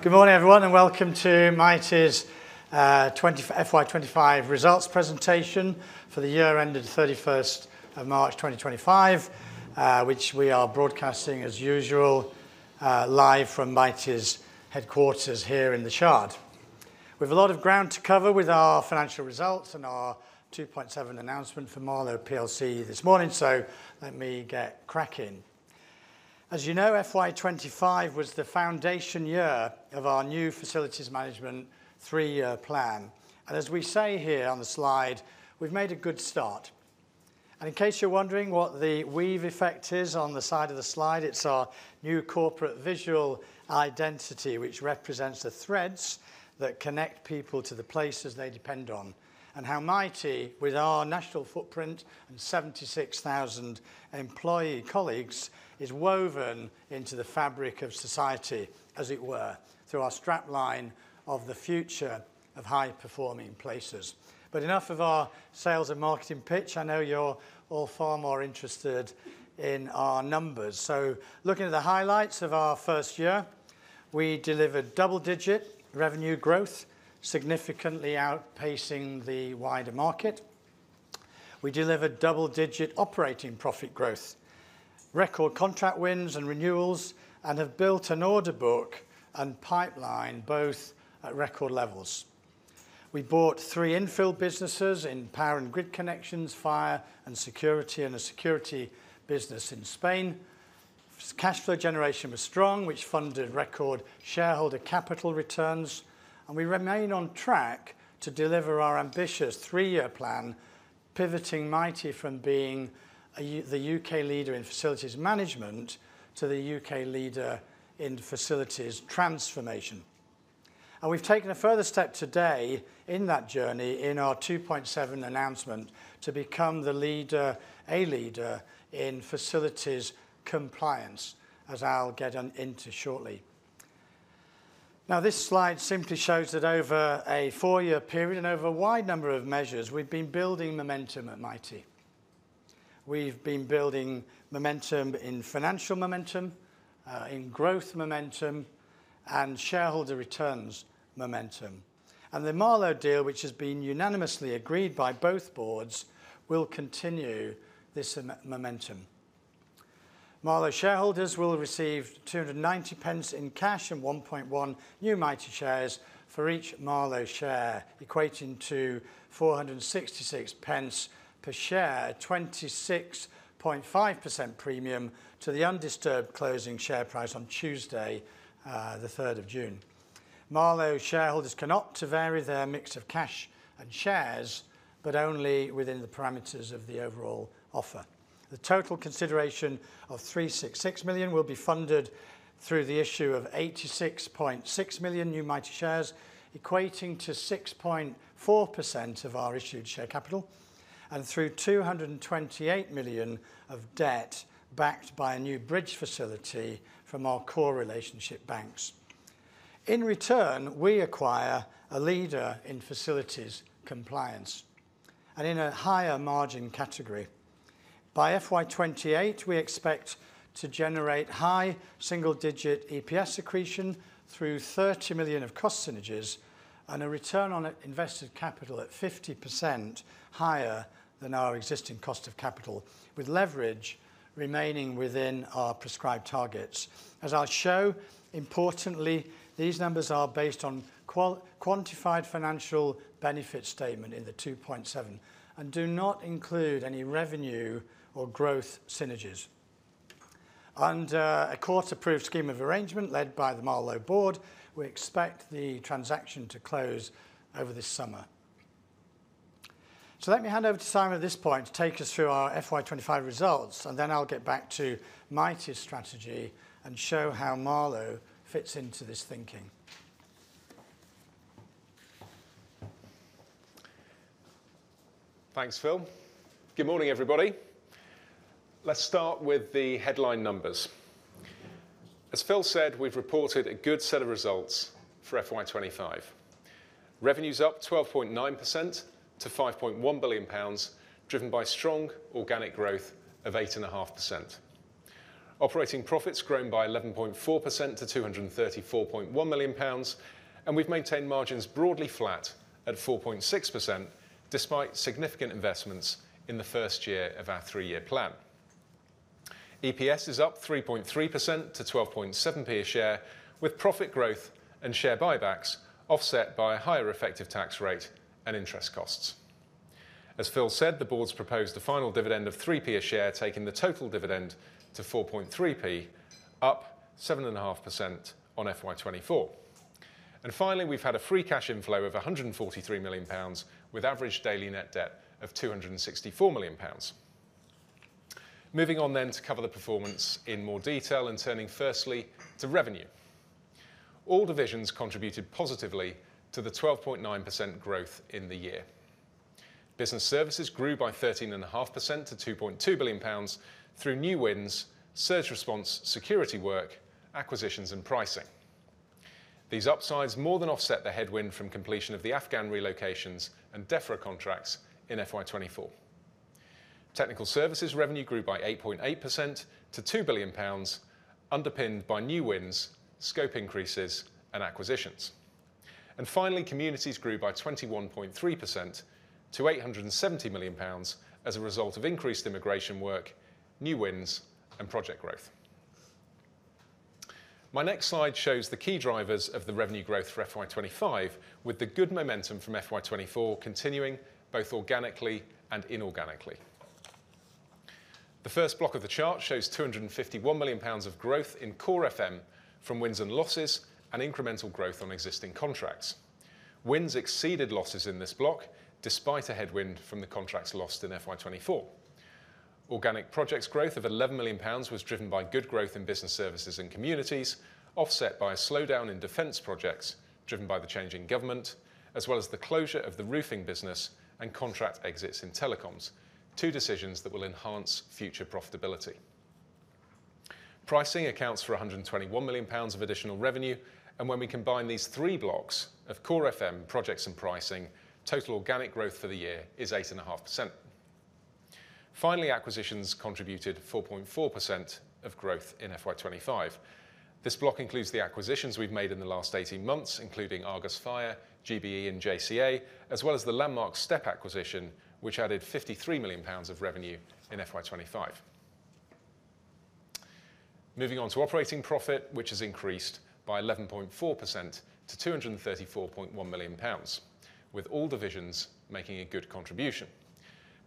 Good morning, everyone, and welcome to Mitie's FY25 results presentation for the year ended 31 March 2025, which we are broadcasting, as usual, live from Mitie's headquarters here in The Shard. We have a lot of ground to cover with our financial results and our 2.7 announcement for Marlowe PLC this morning, so let me get cracking. As you know, FY25 was the foundation year of our new Facilities Management Three-Year Plan. As we say here on the slide, we've made a good start. In case you're wondering what the weave effect is on the side of the slide, it's our new corporate visual identity, which represents the threads that connect people to the places they depend on, and how Mitie, with our national footprint and 76,000 employee colleagues, is woven into the fabric of society, as it were, through our strapline of the future of high-performing places. Enough of our sales and marketing pitch. I know you're all far more interested in our numbers. Looking at the highlights of our first year, we delivered double-digit revenue growth, significantly outpacing the wider market. We delivered double-digit operating profit growth, record contract wins and renewals, and have built an order book and pipeline both at record levels. We bought three infill businesses in power and grid connections, fire and security, and a security business in Spain. Cash flow generation was strong, which funded record shareholder capital returns. We remain on track to deliver our ambitious three-year plan, pivoting Mitie from being the U.K. leader in facilities management to the U.K. leader in facilities transformation. We have taken a further step today in that journey in our 2.7 announcement to become the leader, a leader in facilities compliance, as I'll get into shortly. Now, this slide simply shows that over a four-year period and over a wide number of measures, we've been building momentum at Mitie. We've been building momentum in financial momentum, in growth momentum, and shareholder returns momentum. The Marlowe deal, which has been unanimously agreed by both boards, will continue this momentum. Marlowe shareholders will receive 290 in cash and 1.1 new Mitie shares for each Marlowe share, equating to 466 per share, a 26.5% premium to the undisturbed closing share price on Tuesday, the 3rd of June. Marlowe shareholders can opt to vary their mix of cash and shares, but only within the parameters of the overall offer. The total consideration of 366 million will be funded through the issue of 86.6 million new Mitie shares, equating to 6.4% of our issued share capital, and through 228 million of debt backed by a new bridge facility from our core relationship banks. In return, we acquire a leader in facilities compliance and in a higher margin category. By FY28, we expect to generate high single-digit EPS accretion through 30 million of cost synergies and a return on invested capital at 50% higher than our existing cost of capital, with leverage remaining within our prescribed targets. As I'll show, importantly, these numbers are based on quantified financial benefit statement in the 2.7 and do not include any revenue or growth synergies. Under a court-approved scheme of arrangement led by the Marlowe board, we expect the transaction to close over this summer. Let me hand over to Simon at this point to take us through our FY25 results, and then I'll get back to Mitie's strategy and show how Marlowe fits into this thinking. Thanks, Phil. Good morning, everybody. Let's start with the headline numbers. As Phil said, we've reported a good set of results for FY25. Revenues up 12.9% to 5.1 billion pounds, driven by strong organic growth of 8.5%. Operating profits grown by 11.4% to 234.1 million pounds, and we've maintained margins broadly flat at 4.6% despite significant investments in the first year of our three-year plan. EPS is up 3.3% to 12.7p a share, with profit growth and share buybacks offset by a higher effective tax rate and interest costs. As Phil said, the board's proposed a final dividend of 3p a share, taking the total dividend to 4.3p, up 7.5% on FY24. Finally, we've had a free cash inflow of 143 million pounds, with average daily net debt of 264 million pounds. Moving on then to cover the performance in more detail and turning firstly to revenue. All divisions contributed positively to the 12.9% growth in the year. Business services grew by 13.5% to 2.2 billion pounds through new wins, surge response, security work, acquisitions, and pricing. These upsides more than offset the headwind from completion of the Afghan relocations and DEFRA contracts in FY2024. Technical services revenue grew by 8.8% to 2 billion pounds, underpinned by new wins, scope increases, and acquisitions. Finally, communities grew by 21.3% to 870 million pounds as a result of increased immigration work, new wins, and project growth. My next slide shows the key drivers of the revenue growth for FY2025, with the good momentum from FY2024 continuing both organically and inorganically. The first block of the chart shows 251 million pounds of growth in core FM from wins and losses and incremental growth on existing contracts. Wins exceeded losses in this block despite a headwind from the contracts lost in FY2024. Organic projects growth of 11 million pounds was driven by good growth in business services and communities, offset by a slowdown in defense projects driven by the changing government, as well as the closure of the roofing business and contract exits in telecoms, two decisions that will enhance future profitability. Pricing accounts for 121 million pounds of additional revenue, and when we combine these three blocks of core FM, projects, and pricing, total organic growth for the year is 8.5%. Finally, acquisitions contributed 4.4% of growth in FY25. This block includes the acquisitions we've made in the last 18 months, including Argus Fire, GBE, and JCA, as well as the landmark Step acquisition, which added 53 million pounds of revenue in FY25. Moving on to operating profit, which has increased by 11.4% to 234.1 million pounds, with all divisions making a good contribution.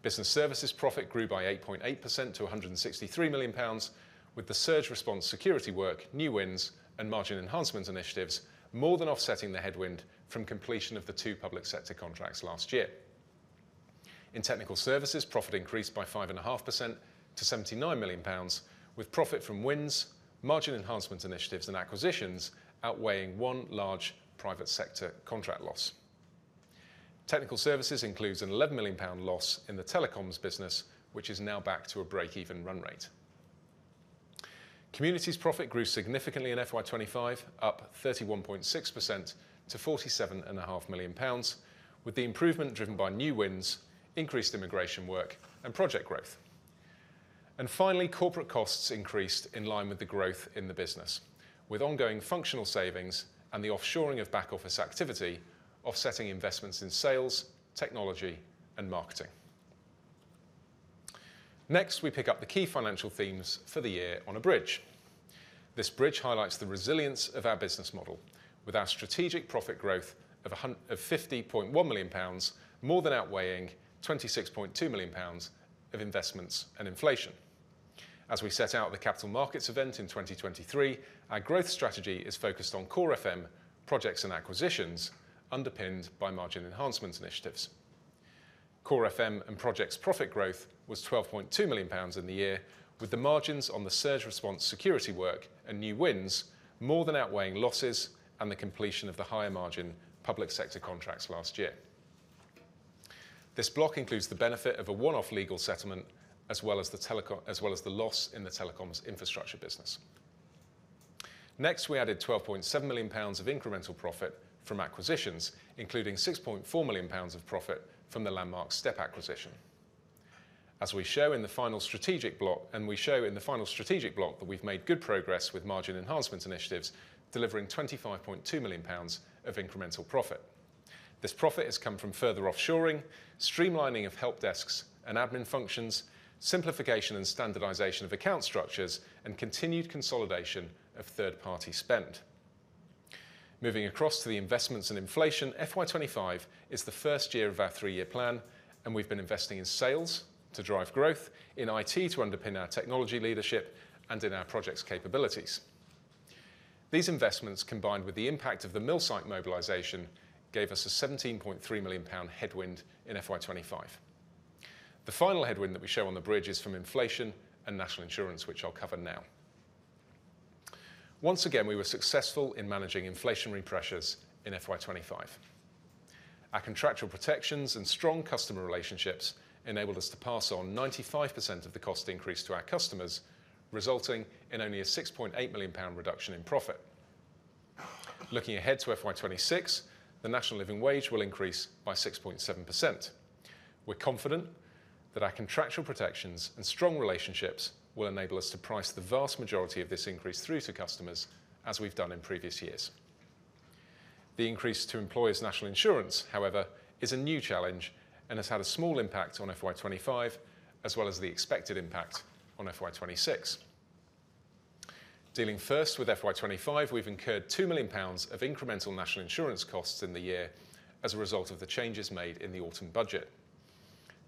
Business services profit grew by 8.8% to 163 million pounds, with the surge response security work, new wins, and margin enhancement initiatives more than offsetting the headwind from completion of the two public sector contracts last year. In technical services, profit increased by 5.5% to 79 million pounds, with profit from wins, margin enhancement initiatives, and acquisitions outweighing one large private sector contract loss. Technical services includes a 11 million pound loss in the telecoms business, which is now back to a break-even run rate. Communities profit grew significantly in FY 2025, up 31.6% to 47.5 million pounds, with the improvement driven by new wins, increased immigration work, and project growth. Finally, corporate costs increased in line with the growth in the business, with ongoing functional savings and the offshoring of back-office activity offsetting investments in sales, technology, and marketing. Next, we pick up the key financial themes for the year on a bridge. This bridge highlights the resilience of our business model, with our strategic profit growth of 50.1 million pounds more than outweighing 26.2 million pounds of investments and inflation. As we set out at the capital markets event in 2023, our growth strategy is focused on core FM, projects, and acquisitions, underpinned by margin enhancement initiatives. Core FM and projects profit growth was 12.2 million pounds in the year, with the margins on the surge response security work and new wins more than outweighing losses and the completion of the higher margin public sector contracts last year. This block includes the benefit of a one-off legal settlement, as well as the loss in the telecoms infrastructure business. Next, we added 12.7 million pounds of incremental profit from acquisitions, including 6.4 million pounds of profit from the landmark Step acquisition. As we show in the final strategic block, and we show in the final strategic block that we've made good progress with margin enhancement initiatives, delivering 25.2 million pounds of incremental profit. This profit has come from further offshoring, streamlining of help desks and admin functions, simplification and standardization of account structures, and continued consolidation of third-party spend. Moving across to the investments and inflation, FY 2025 is the first year of our three-year plan, and we've been investing in sales to drive growth, in IT to underpin our technology leadership, and in our projects capabilities. These investments, combined with the impact of the millsite mobilisation, gave us a 17.3 million pound headwind in FY 2025. The final headwind that we show on the bridge is from inflation and National Insurance, which I'll cover now. Once again, we were successful in managing inflationary pressures in FY 2025. Our contractual protections and strong customer relationships enabled us to pass on 95% of the cost increase to our customers, resulting in only a 6.8 million pound reduction in profit. Looking ahead to FY26, the national living wage will increase by 6.7%. We're confident that our contractual protections and strong relationships will enable us to price the vast majority of this increase through to customers, as we've done in previous years. The increase to employers' National Insurance, however, is a new challenge and has had a small impact on FY25, as well as the expected impact on FY26. Dealing first with FY25, we've incurred 2 million pounds of incremental National Insurance costs in the year as a result of the changes made in the autumn budget.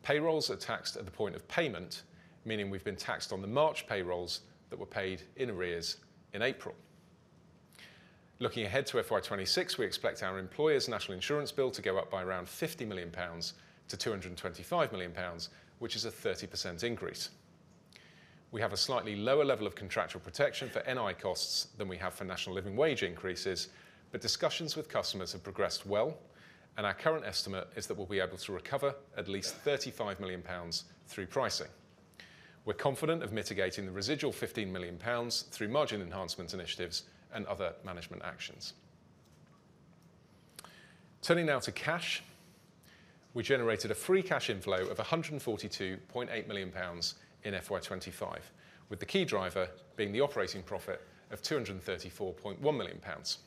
Payrolls are taxed at the point of payment, meaning we've been taxed on the March payrolls that were paid in arrears in April. Looking ahead to FY26, we expect our employers' National Insurance bill to go up by around 50 million pounds to 225 million pounds, which is a 30% increase. We have a slightly lower level of contractual protection for NI costs than we have for National Living Wage increases, but discussions with customers have progressed well, and our current estimate is that we'll be able to recover at least 35 million pounds through pricing. We're confident of mitigating the residual 15 million pounds through margin enhancement initiatives and other management actions. Turning now to cash, we generated a free cash inflow of 142.8 million pounds in FY25, with the key driver being the operating profit of 234.1 million pounds.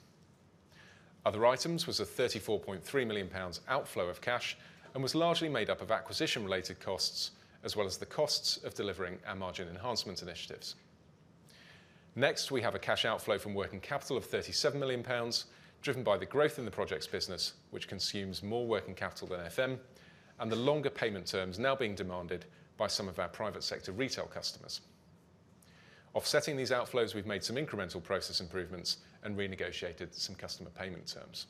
Other items were a 34.3 million pounds outflow of cash and was largely made up of acquisition-related costs, as well as the costs of delivering our margin enhancement initiatives. Next, we have a cash outflow from working capital of 37 million pounds, driven by the growth in the projects business, which consumes more working capital than FM, and the longer payment terms now being demanded by some of our private sector retail customers. Offsetting these outflows, we've made some incremental process improvements and renegotiated some customer payment terms.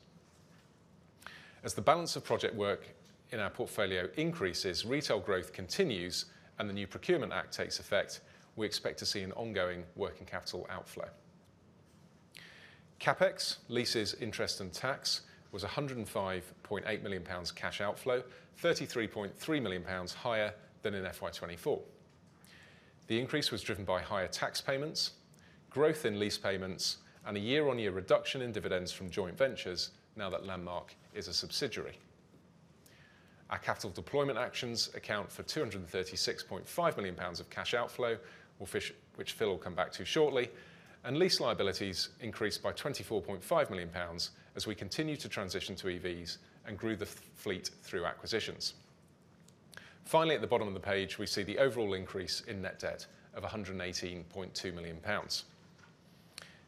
As the balance of project work in our portfolio increases, retail growth continues, and the new procurement act takes effect, we expect to see an ongoing working capital outflow. CapEx, leases, interest, and tax was 105.8 million pounds cash outflow, 33.3 million pounds higher than in FY24. The increase was driven by higher tax payments, growth in lease payments, and a year-on-year reduction in dividends from joint ventures now that Landmark is a subsidiary. Our capital deployment actions account for 236.5 million pounds of cash outflow, which Phil will come back to shortly, and lease liabilities increased by 24.5 million pounds as we continue to transition to EVs and grew the fleet through acquisitions. Finally, at the bottom of the page, we see the overall increase in net debt of 118.2 million pounds.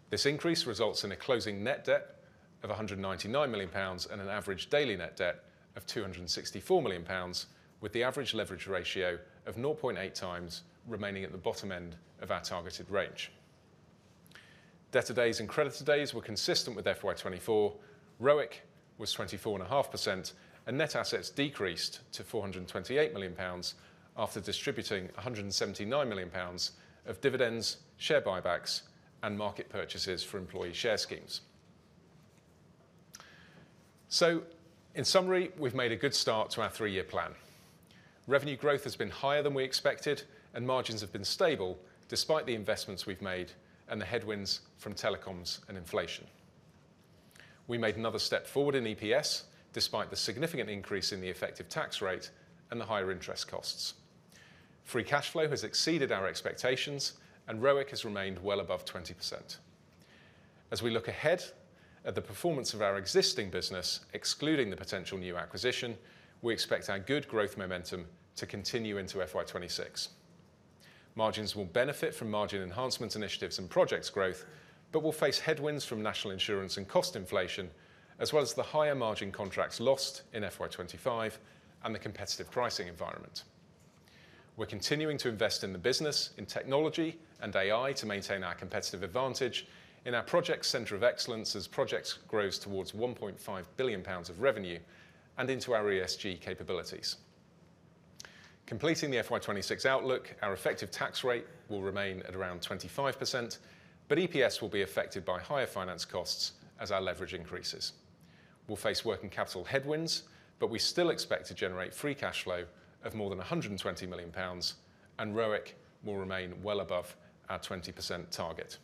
This increase results in a closing net debt of 199 million pounds and an average daily net debt of 264 million pounds, with the average leverage ratio of 0.8 times remaining at the bottom end of our targeted range. Debtor days and creditor days were consistent with FY2024. ROIC was 24.5%, and net assets decreased to 428 million pounds after distributing 179 million pounds of dividends, share buybacks, and market purchases for employee share schemes. In summary, we've made a good start to our three-year plan. Revenue growth has been higher than we expected, and margins have been stable despite the investments we've made and the headwinds from telecoms and inflation. We made another step forward in EPS despite the significant increase in the effective tax rate and the higher interest costs. Free cash flow has exceeded our expectations, and ROIC has remained well above 20%. As we look ahead at the performance of our existing business, excluding the potential new acquisition, we expect our good growth momentum to continue into FY26. Margins will benefit from margin enhancement initiatives and projects growth, but will face headwinds from National Insurance and cost inflation, as well as the higher margin contracts lost in FY25 and the competitive pricing environment. We're continuing to invest in the business, in technology and AI to maintain our competitive advantage, in our projects center of excellence as projects grows towards 1.5 billion pounds of revenue, and into our ESG capabilities. Completing the FY26 outlook, our effective tax rate will remain at around 25%, but EPS will be affected by higher finance costs as our leverage increases. We'll face working capital headwinds, but we still expect to generate free cash flow of more than 120 million pounds, and ROIC will remain well above our 20% target.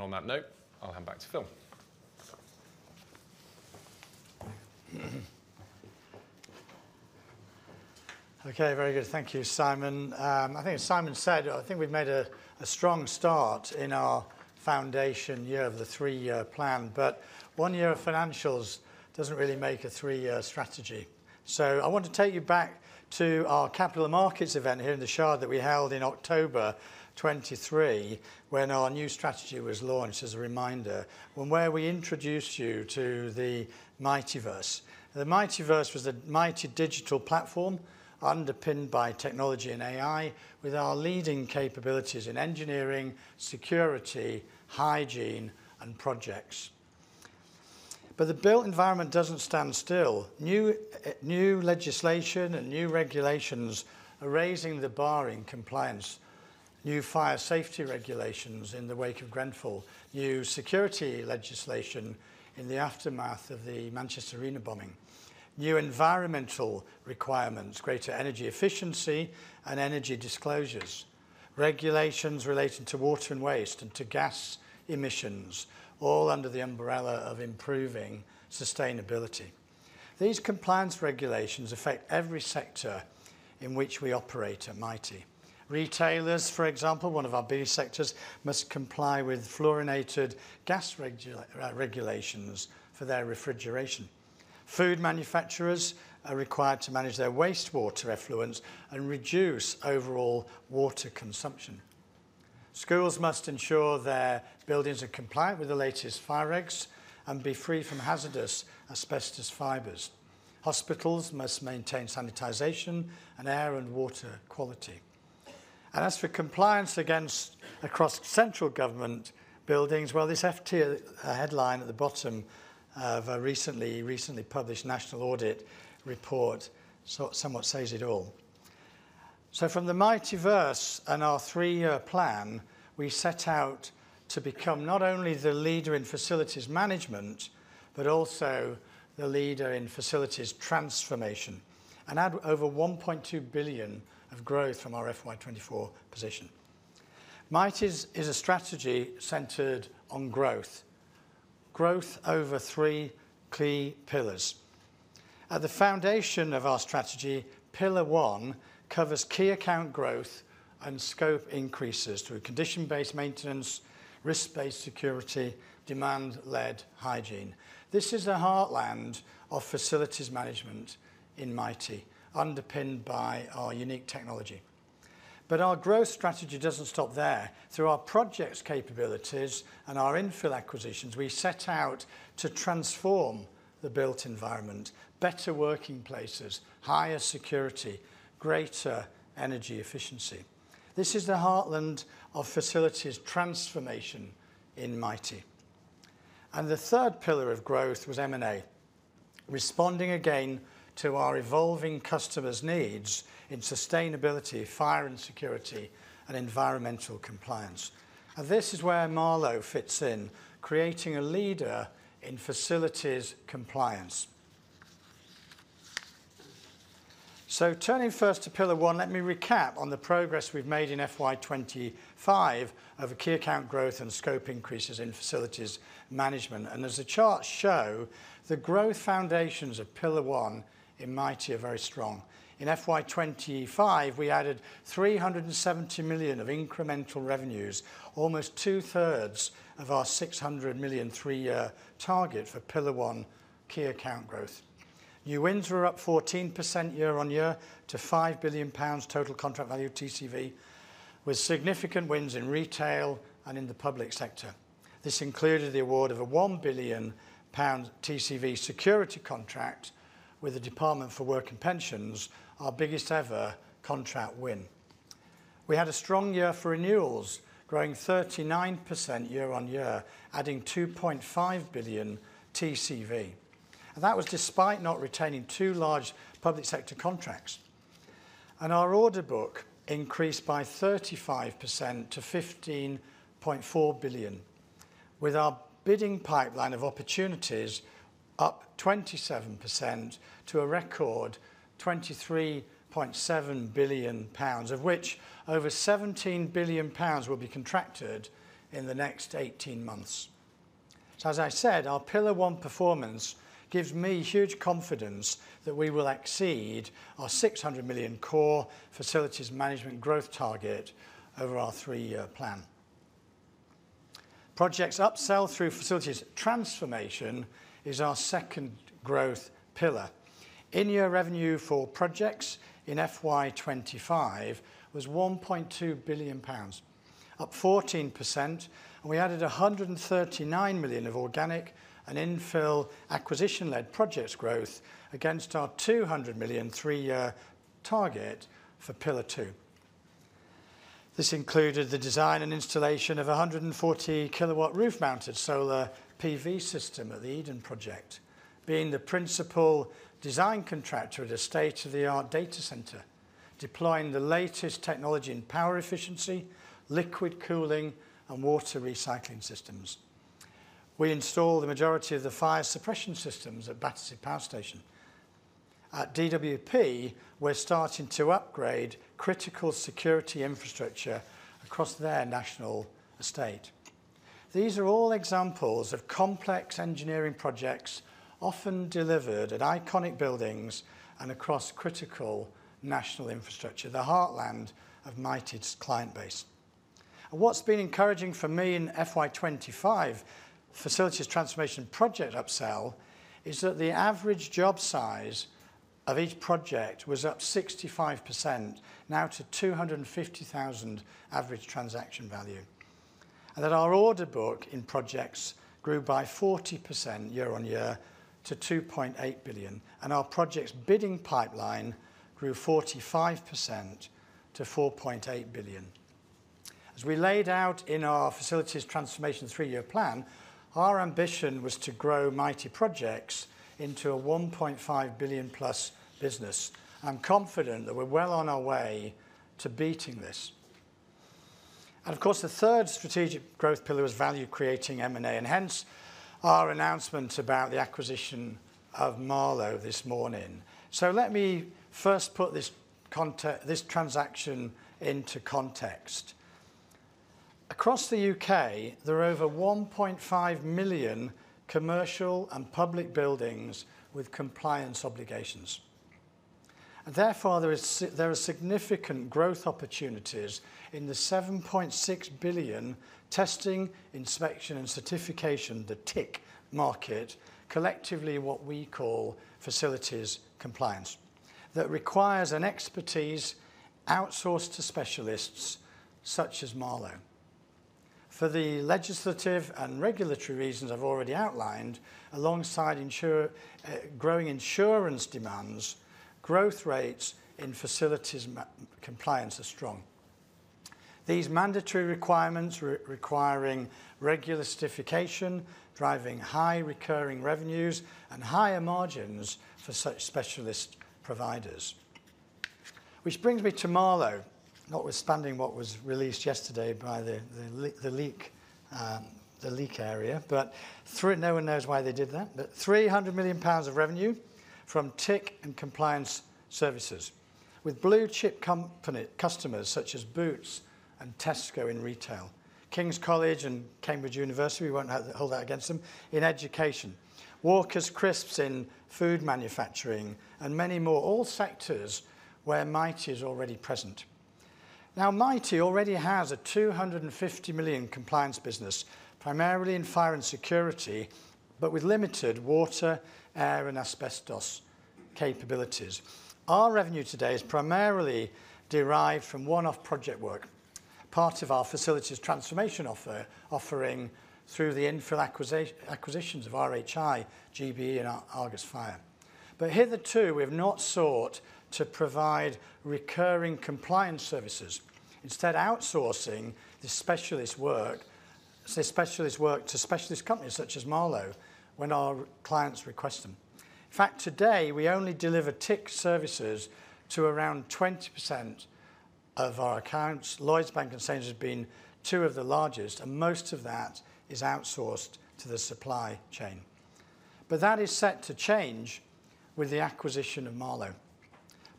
On that note, I'll hand back to Phil. Okay, very good. Thank you, Simon. I think as Simon said, I think we've made a strong start in our foundation year of the three-year plan, but one year of financials doesn't really make a three-year strategy. I want to take you back to our capital markets event here in The Shard that we held in October 2023, when our new strategy was launched as a reminder, and where we introduced you to the Mightyverse. The Mightyverse was a mighty digital platform underpinned by technology and AI, with our leading capabilities in engineering, security, hygiene, and projects. The built environment does not stand still. New legislation and new regulations are raising the bar in compliance. New fire safety regulations in the wake of Grenfell, new security legislation in the aftermath of the Manchester Arena bombing, new environmental requirements, greater energy efficiency, and energy disclosures, regulations relating to water and waste and to gas emissions, all under the umbrella of improving sustainability. These compliance regulations affect every sector in which we operate at Mitie. Retailers, for example, one of our biggest sectors, must comply with fluorinated gas regulations for their refrigeration. Food manufacturers are required to manage their wastewater effluence and reduce overall water consumption. Schools must ensure their buildings are compliant with the latest fire regs and be free from hazardous asbestos fibers. Hospitals must maintain sanitization and air and water quality. As for compliance across central government buildings, this FT headline at the bottom of a recently published national audit report somewhat says it all. From the Mitieverse and our three-year plan, we set out to become not only the leader in facilities management, but also the leader in facilities transformation and add over 1.2 billion of growth from our FY24 position. Mitie is a strategy centered on growth, growth over three key pillars. At the foundation of our strategy, Pillar One covers key account growth and scope increases through condition-based maintenance, risk-based security, demand-led hygiene. This is a heartland of facilities management in Mitie, underpinned by our unique technology. Our growth strategy does not stop there. Through our projects capabilities and our infill acquisitions, we set out to transform the built environment, better working places, higher security, greater energy efficiency. This is the heartland of facilities transformation in Mitie. The third pillar of growth was M&A, responding again to our evolving customers' needs in sustainability, fire and security, and environmental compliance. This is where Marlowe fits in, creating a leader in facilities compliance. Turning first to Pillar One, let me recap on the progress we have made in FY2025 over key account growth and scope increases in facilities management. As the charts show, the growth foundations of Pillar One in Mitie are very strong. In FY25, we added 370 million of incremental revenues, almost two-thirds of our 600 million three-year target for Pillar One key account growth. New wins were up 14% year on year to 5 billion pounds total contract value TCV, with significant wins in retail and in the public sector. This included the award of a 1 billion pound TCV security contract with the Department for Work and Pensions, our biggest ever contract win. We had a strong year for renewals, growing 39% year on year, adding 2.5 billion TCV. That was despite not retaining two large public sector contracts. Our order book increased by 35% to 15.4 billion, with our bidding pipeline of opportunities up 27% to a record 23.7 billion pounds, of which over 17 billion pounds will be contracted in the next 18 months. As I said, our Pillar One performance gives me huge confidence that we will exceed our 600 million core facilities management growth target over our three-year plan. Projects upsell through facilities transformation is our second growth pillar. In-year revenue for projects in FY 2025 was 1.2 billion pounds, up 14%, and we added 139 million of organic and infill acquisition-led projects growth against our 200 million three-year target for Pillar Two. This included the design and installation of a 140 kilowatt roof-mounted solar PV system at the Eden Project, being the principal design contractor at a state-of-the-art data center, deploying the latest technology in power efficiency, liquid cooling, and water recycling systems. We installed the majority of the fire suppression systems at Battersea Power Station. At DWP, we're starting to upgrade critical security infrastructure across their national estate. These are all examples of complex engineering projects, often delivered at iconic buildings and across critical national infrastructure, the heartland of Mitie's client base. What's been encouraging for me in FY25, facilities transformation project upsell, is that the average job size of each project was up 65%, now to 250,000 average transaction value. Our order book in projects grew by 40% year on year to 2.8 billion, and our projects bidding pipeline grew 45% to 4.8 billion. As we laid out in our facilities transformation three-year plan, our ambition was to grow Mitie Projects into a 1.5 billion plus business. I'm confident that we're well on our way to beating this. The third strategic growth pillar was value creating M&A, and hence our announcement about the acquisition of Marlowe this morning. Let me first put this transaction into context. Across the U.K., there are over 1.5 million commercial and public buildings with compliance obligations. Therefore, there are significant growth opportunities in the 7.6 billion testing, inspection, and certification, the TIC market, collectively what we call facilities compliance, that requires an expertise outsourced to specialists such as Marlowe. For the legislative and regulatory reasons I've already outlined, alongside growing insurance demands, growth rates in facilities compliance are strong. These mandatory requirements requiring regular certification, driving high recurring revenues and higher margins for such specialist providers. Which brings me to Marlowe, notwithstanding what was released yesterday by the leak area, but through it, no one knows why they did that, but 300 million pounds of revenue from TIC and compliance services, with blue chip customers such as Boots and Tesco in retail, King's College and Cambridge University, we won't hold that against them, in education, Walker's Crisps in food manufacturing, and many more, all sectors where Mitie is already present. Now, Mitie already has a 250 million compliance business, primarily in fire and security, but with limited water, air, and asbestos capabilities. Our revenue today is primarily derived from one-off project work, part of our facilities transformation offering through the infill acquisitions of R H Irving, GBE, and Argus Fire. Hitherto we have not sought to provide recurring compliance services, instead outsourcing the specialist work to specialist companies such as Marlowe when our clients request them. In fact, today we only deliver TIC services to around 20% of our accounts. Lloyds Bank and Sains has been two of the largest, and most of that is outsourced to the supply chain. That is set to change with the acquisition of Marlowe.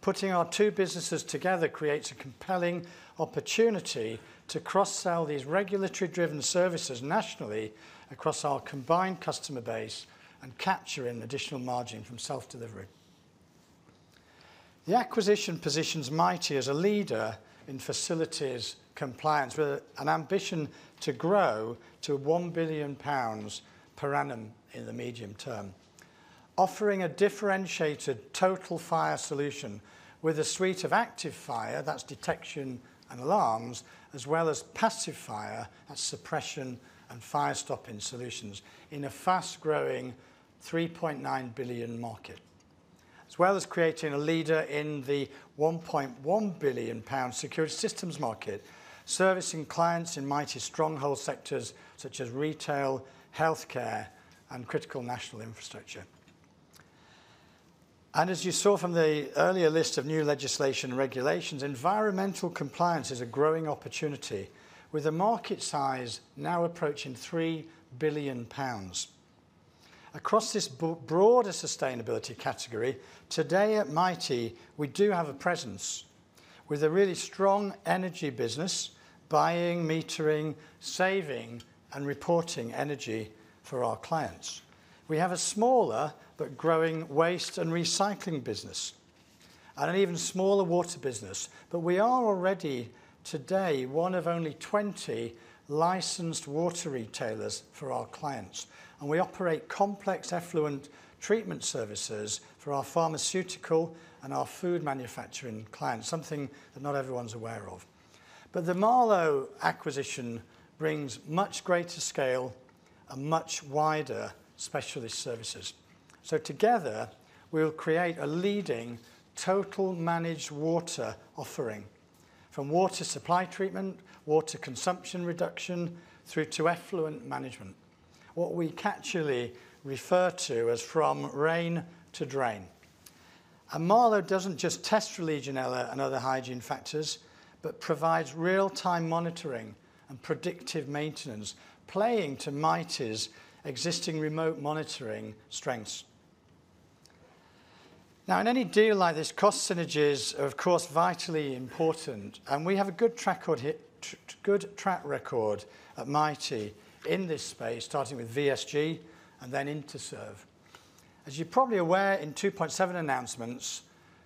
Putting our two businesses together creates a compelling opportunity to cross-sell these regulatory-driven services nationally across our combined customer base and capturing additional margin from self-delivery. The acquisition positions Mitie as a leader in facilities compliance with an ambition to grow to 1 billion pounds per annum in the medium term, offering a differentiated total fire solution with a suite of active fire, that's detection and alarms, as well as passive fire, that's suppression and fire stopping solutions in a fast-growing 3.9 billion market, as well as creating a leader in the 1.1 billion pound security systems market, servicing clients in Mitie's stronghold sectors such as retail, healthcare, and critical national infrastructure. As you saw from the earlier list of new legislation and regulations, environmental compliance is a growing opportunity, with a market size now approaching 3 billion pounds. Across this broader sustainability category, today at Mitie, we do have a presence with a really strong energy business, buying, metering, saving, and reporting energy for our clients. We have a smaller but growing waste and recycling business, and an even smaller water business, but we are already today one of only 20 licensed water retailers for our clients. We operate complex effluent treatment services for our pharmaceutical and our food manufacturing clients, something that not everyone's aware of. The Marlowe acquisition brings much greater scale and much wider specialist services. Together, we will create a leading total managed water offering from water supply treatment, water consumption reduction, through to effluent management, what we actually refer to as from rain to drain. Marlowe does not just test for Legionella and other hygiene factors, but provides real-time monitoring and predictive maintenance, playing to Mitie's existing remote monitoring strengths. Now, in any deal like this, cost synergies are, of course, vitally important, and we have a good track record at Mitie in this space, starting with VSG and then Interserve. As you're probably aware, in 2.7 announcements,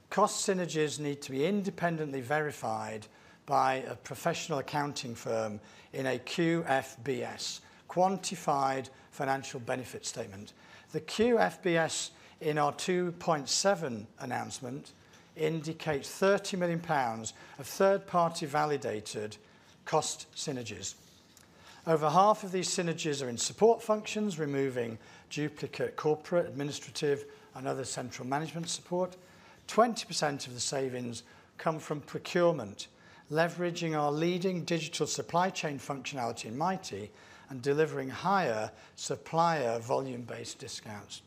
cost synergies need to be independently verified by a professional accounting firm in a QFBS, Quantified Financial Benefit Statement. The QFBS in our 2.7 announcement indicates 30 million pounds of third-party validated cost synergies. Over half of these synergies are in support functions, removing duplicate corporate, administrative, and other central management support. 20% of the savings come from procurement, leveraging our leading digital supply chain functionality in Mitie and delivering higher supplier volume-based discounts.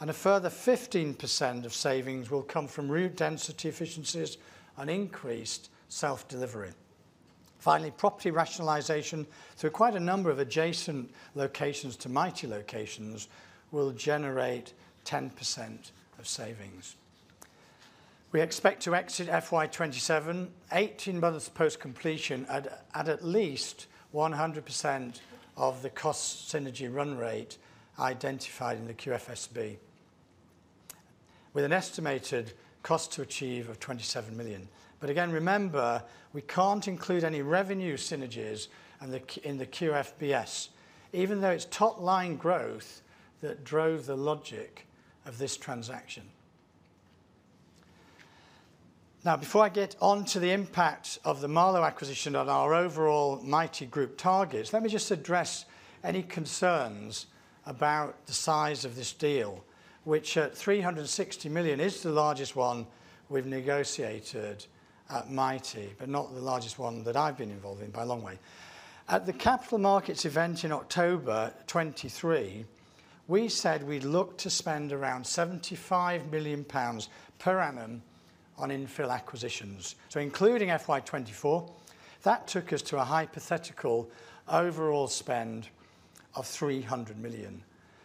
A further 15% of savings will come from route density efficiencies and increased self-delivery. Finally, property rationalization through quite a number of adjacent locations to Mitie locations will generate 10% of savings. We expect to exit FY27, 18 months post-completion, at at least 100% of the cost synergy run rate identified in the QFBS, with an estimated cost to achieve of 27 million. Again, remember, we cannot include any revenue synergies in the QFBS, even though it is top-line growth that drove the logic of this transaction. Now, before I get on to the impact of the Marlowe acquisition on our overall Mitie Group targets, let me just address any concerns about the size of this deal, which at 360 million is the largest one we have negotiated at Mitie, but not the largest one that I have been involved in by a long way. At the capital markets event in October 2023, we said we would look to spend around 75 million pounds per annum on infill acquisitions. Including FY24, that took us to a hypothetical overall spend of 300 million.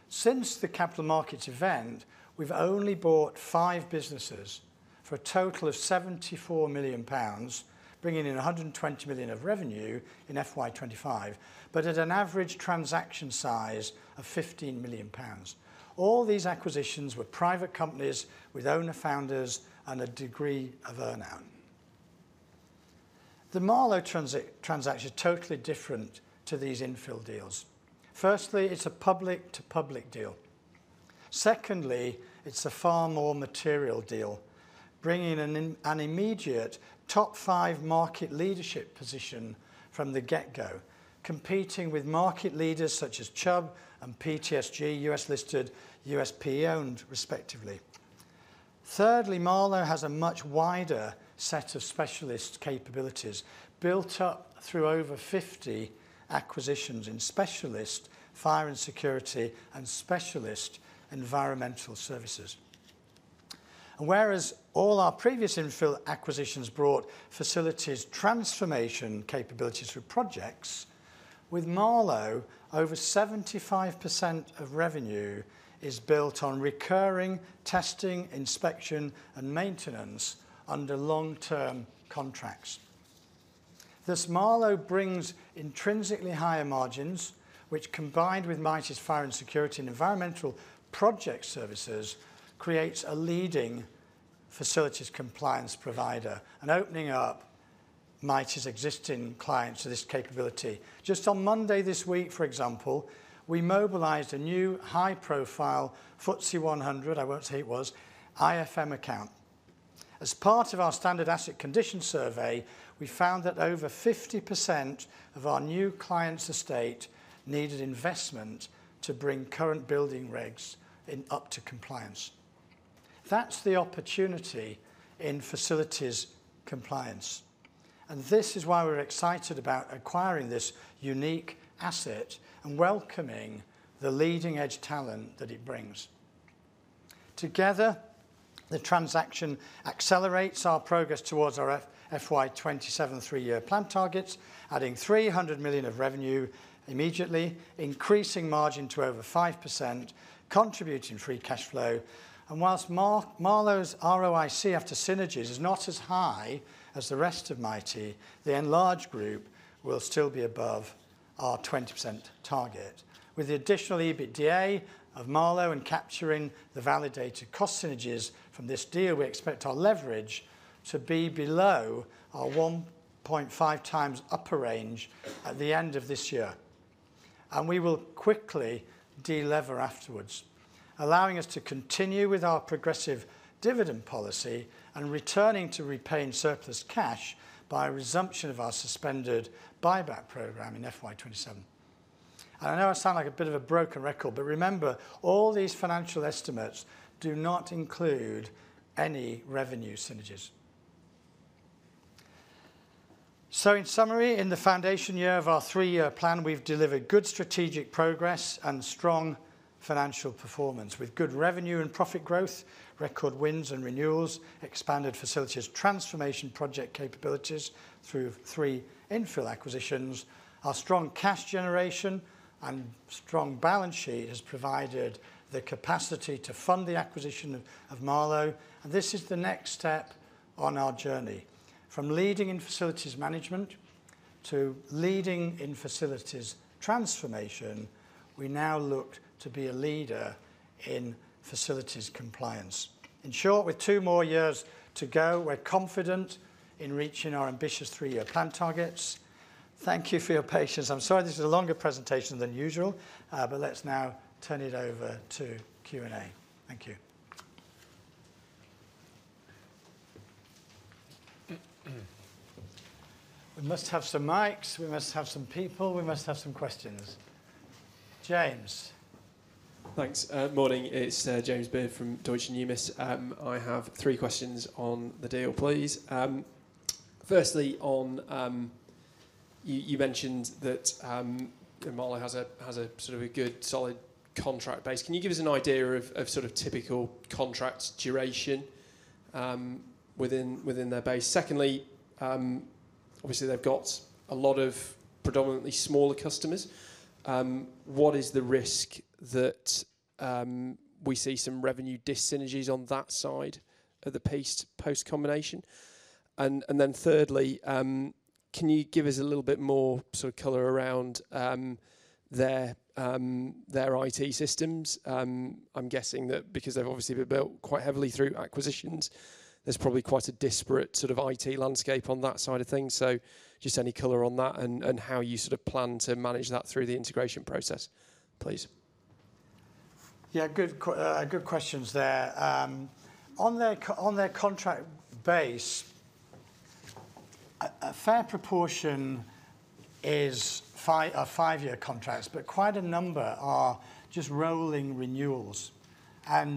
Since the capital markets event, we've only bought five businesses for a total of 74 million pounds, bringing in 120 million of revenue in FY25, but at an average transaction size of 15 million pounds. All these acquisitions were private companies with owner-founders and a degree of earnout. The Marlowe transaction is totally different to these infill deals. Firstly, it's a public-to-public deal. Secondly, it's a far more material deal, bringing an immediate top five market leadership position from the get-go, competing with market leaders such as Chubb and PTSG, US-listed, USP-owned, respectively. Thirdly, Marlowe has a much wider set of specialist capabilities built up through over 50 acquisitions in specialist fire and security and specialist environmental services. Whereas all our previous infill acquisitions brought facilities transformation capabilities through projects, with Marlowe, over 75% of revenue is built on recurring testing, inspection, and maintenance under long-term contracts. Thus, Marlowe brings intrinsically higher margins, which, combined with Mitie's fire and security and environmental project services, creates a leading facilities compliance provider and opening up Mitie's existing clients to this capability. Just on Monday this week, for example, we mobilized a new high-profile FTSE 100, I won't say who it was, IFM account. As part of our standard asset condition survey, we found that over 50% of our new client's estate needed investment to bring current building regs up to compliance. That's the opportunity in facilities compliance. This is why we're excited about acquiring this unique asset and welcoming the leading-edge talent that it brings. Together, the transaction accelerates our progress towards our FY2027 three-year plan targets, adding 300 million of revenue immediately, increasing margin to over 5%, contributing free cash flow. Whilst Marlowe's ROIC after synergies is not as high as the rest of Mitie, the enlarged group will still be above our 20% target. With the additional EBITDA of Marlowe and capturing the validated cost synergies from this deal, we expect our leverage to be below our 1.5 times upper range at the end of this year. We will quickly delever afterwards, allowing us to continue with our progressive dividend policy and returning to repaying surplus cash by resumption of our suspended buyback program in FY2027. I know I sound like a bit of a broken record, but remember, all these financial estimates do not include any revenue synergies. In summary, in the foundation year of our three-year plan, we've delivered good strategic progress and strong financial performance with good revenue and profit growth, record wins and renewals, expanded facilities transformation project capabilities through three infill acquisitions. Our strong cash generation and strong balance sheet has provided the capacity to fund the acquisition of Marlowe. This is the next step on our journey. From leading in facilities management to leading in facilities transformation, we now look to be a leader in facilities compliance. In short, with two more years to go, we're confident in reaching our ambitious three-year plan targets. Thank you for your patience. I'm sorry this is a longer presentation than usual, but let's now turn it over to Q&A. Thank you. We must have some mics. We must have some people. We must have some questions. James. Thanks. Morning. It's James Byrd from Deutsche Numis. I have three questions on the deal, please. Firstly, you mentioned that Marlowe has a sort of a good solid contract base. Can you give us an idea of sort of typical contract duration within their base? Secondly, obviously, they've got a lot of predominantly smaller customers. What is the risk that we see some revenue disynergies on that side of the post-combination? And then thirdly, can you give us a little bit more sort of color around their IT systems? I'm guessing that because they've obviously been built quite heavily through acquisitions, there's probably quite a disparate sort of IT landscape on that side of things. Just any color on that and how you sort of plan to manage that through the integration process, please Yeah, good questions there. On their contract base, a fair proportion are five-year contracts, but quite a number are just rolling renewals.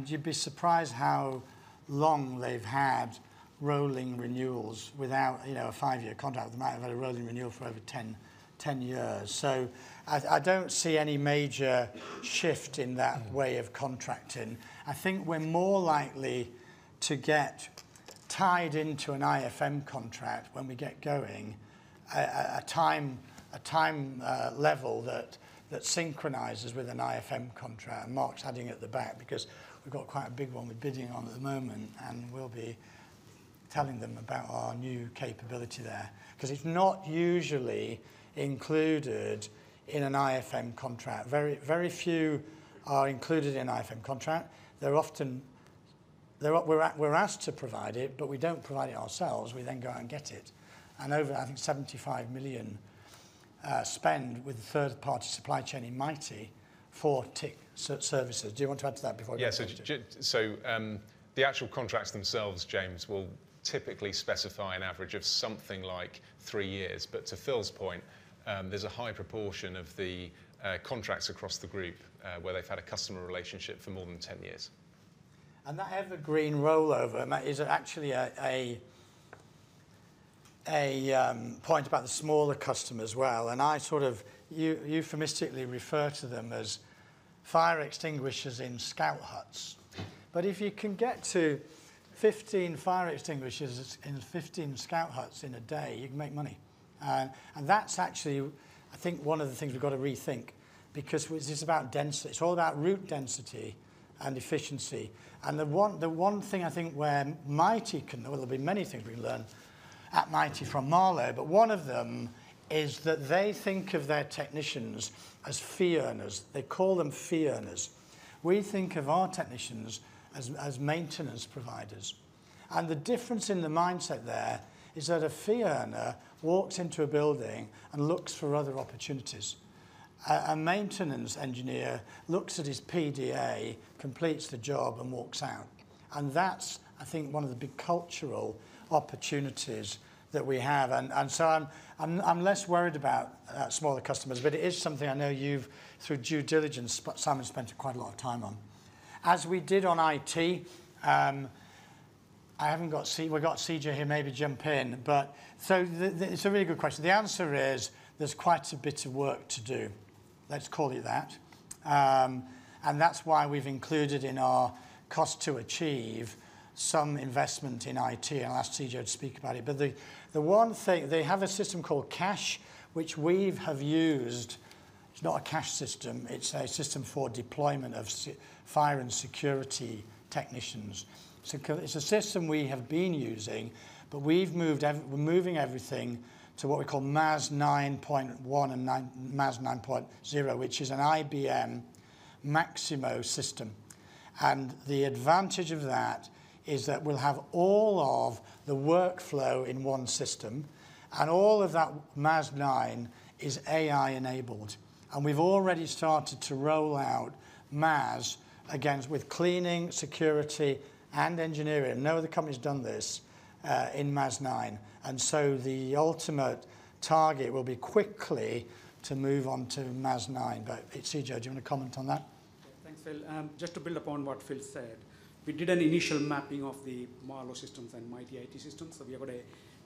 You'd be surprised how long they've had rolling renewals without a five-year contract. They might have had a rolling renewal for over 10 years. I do not see any major shift in that way of contracting. I think we're more likely to get tied into an IFM contract when we get going, a time level that synchronizes with an IFM contract, and Mark's adding at the back because we've got quite a big one we're bidding on at the moment, and we'll be telling them about our new capability there. It is not usually included in an IFM contract. Very few are included in an IFM contract. We're asked to provide it, but we do not provide it ourselves. We then go and get it. Over, I think, 75 million spend with the third-party supply chain in Mitie for TIC services. Do you want to add to that before you? Yeah. The actual contracts themselves, James, will typically specify an average of something like three years. To Phil's point, there is a high proportion of the contracts across the group where they have had a customer relationship for more than 10 years. That evergreen rollover is actually a point about the smaller customers as well. I sort of euphemistically refer to them as fire extinguishers in scout huts. If you can get to 15 fire extinguishers in 15 scout huts in a day, you can make money. That is actually, I think, one of the things we have got to rethink because it is all about route density and efficiency. The one thing I think where Mitie can, well, there will be many things we can learn at Mitie from Marlowe, but one of them is that they think of their technicians as fee earners. They call them fee earners. We think of our technicians as maintenance providers. The difference in the mindset there is that a fee earner walks into a building and looks for other opportunities. A maintenance engineer looks at his PDA, completes the job, and walks out. That is, I think, one of the big cultural opportunities that we have. I am less worried about smaller customers, but it is something I know you have, through due diligence, Simon has spent quite a lot of time on. As we did on IT, I have not got CJ here, maybe jump in. It is a really good question. The answer is there's quite a bit of work to do. Let's call it that. That is why we've included in our cost to achieve some investment in IT. I'll ask C.J to speak about it. The one thing, they have a system called Cash, which we have used. It's not a cash system. It's a system for deployment of fire and security technicians. It's a system we have been using, but we're moving everything to what we call MAS 9.1 and MAS 9.0, which is an IBM Maximo system. The advantage of that is that we'll have all of the workflow in one system. All of that MAS 9 is AI-enabled. We've already started to roll out MAS with cleaning, security, and engineering. No other company has done this in MAS 9. The ultimate target will be quickly to move on to MAS 9. CJ, do you want to comment on that? Thanks, Phil. Just to build upon what Phil said, we did an initial mapping of the Marlowe systems and Mitie IT systems. We have a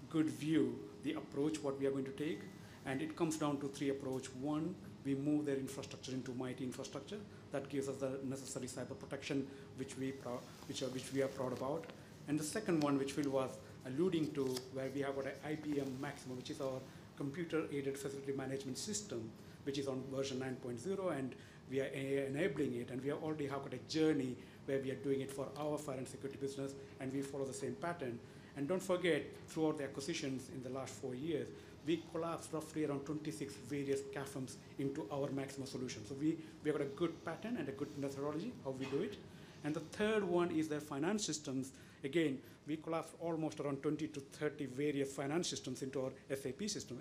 good view of the approach, what we are going to take. It comes down to three approaches. One, we move their infrastructure into Mitie infrastructure. That gives us the necessary cyber protection, which we are proud about. The second one, which Phil was alluding to, where we have an IBM Maximo, which is our computer-aided facilities management system, which is on version 9.0, and we are enabling it. We have already had a journey where we are doing it for our fire and security business, and we follow the same pattern. Do not forget, throughout the acquisitions in the last four years, we collapsed roughly around 26 various CAFMs into our Maximo solution. We have a good pattern and a good methodology of how we do it. The third one is their finance systems. Again, we collapsed almost around 20-30 various finance systems into our SAP system.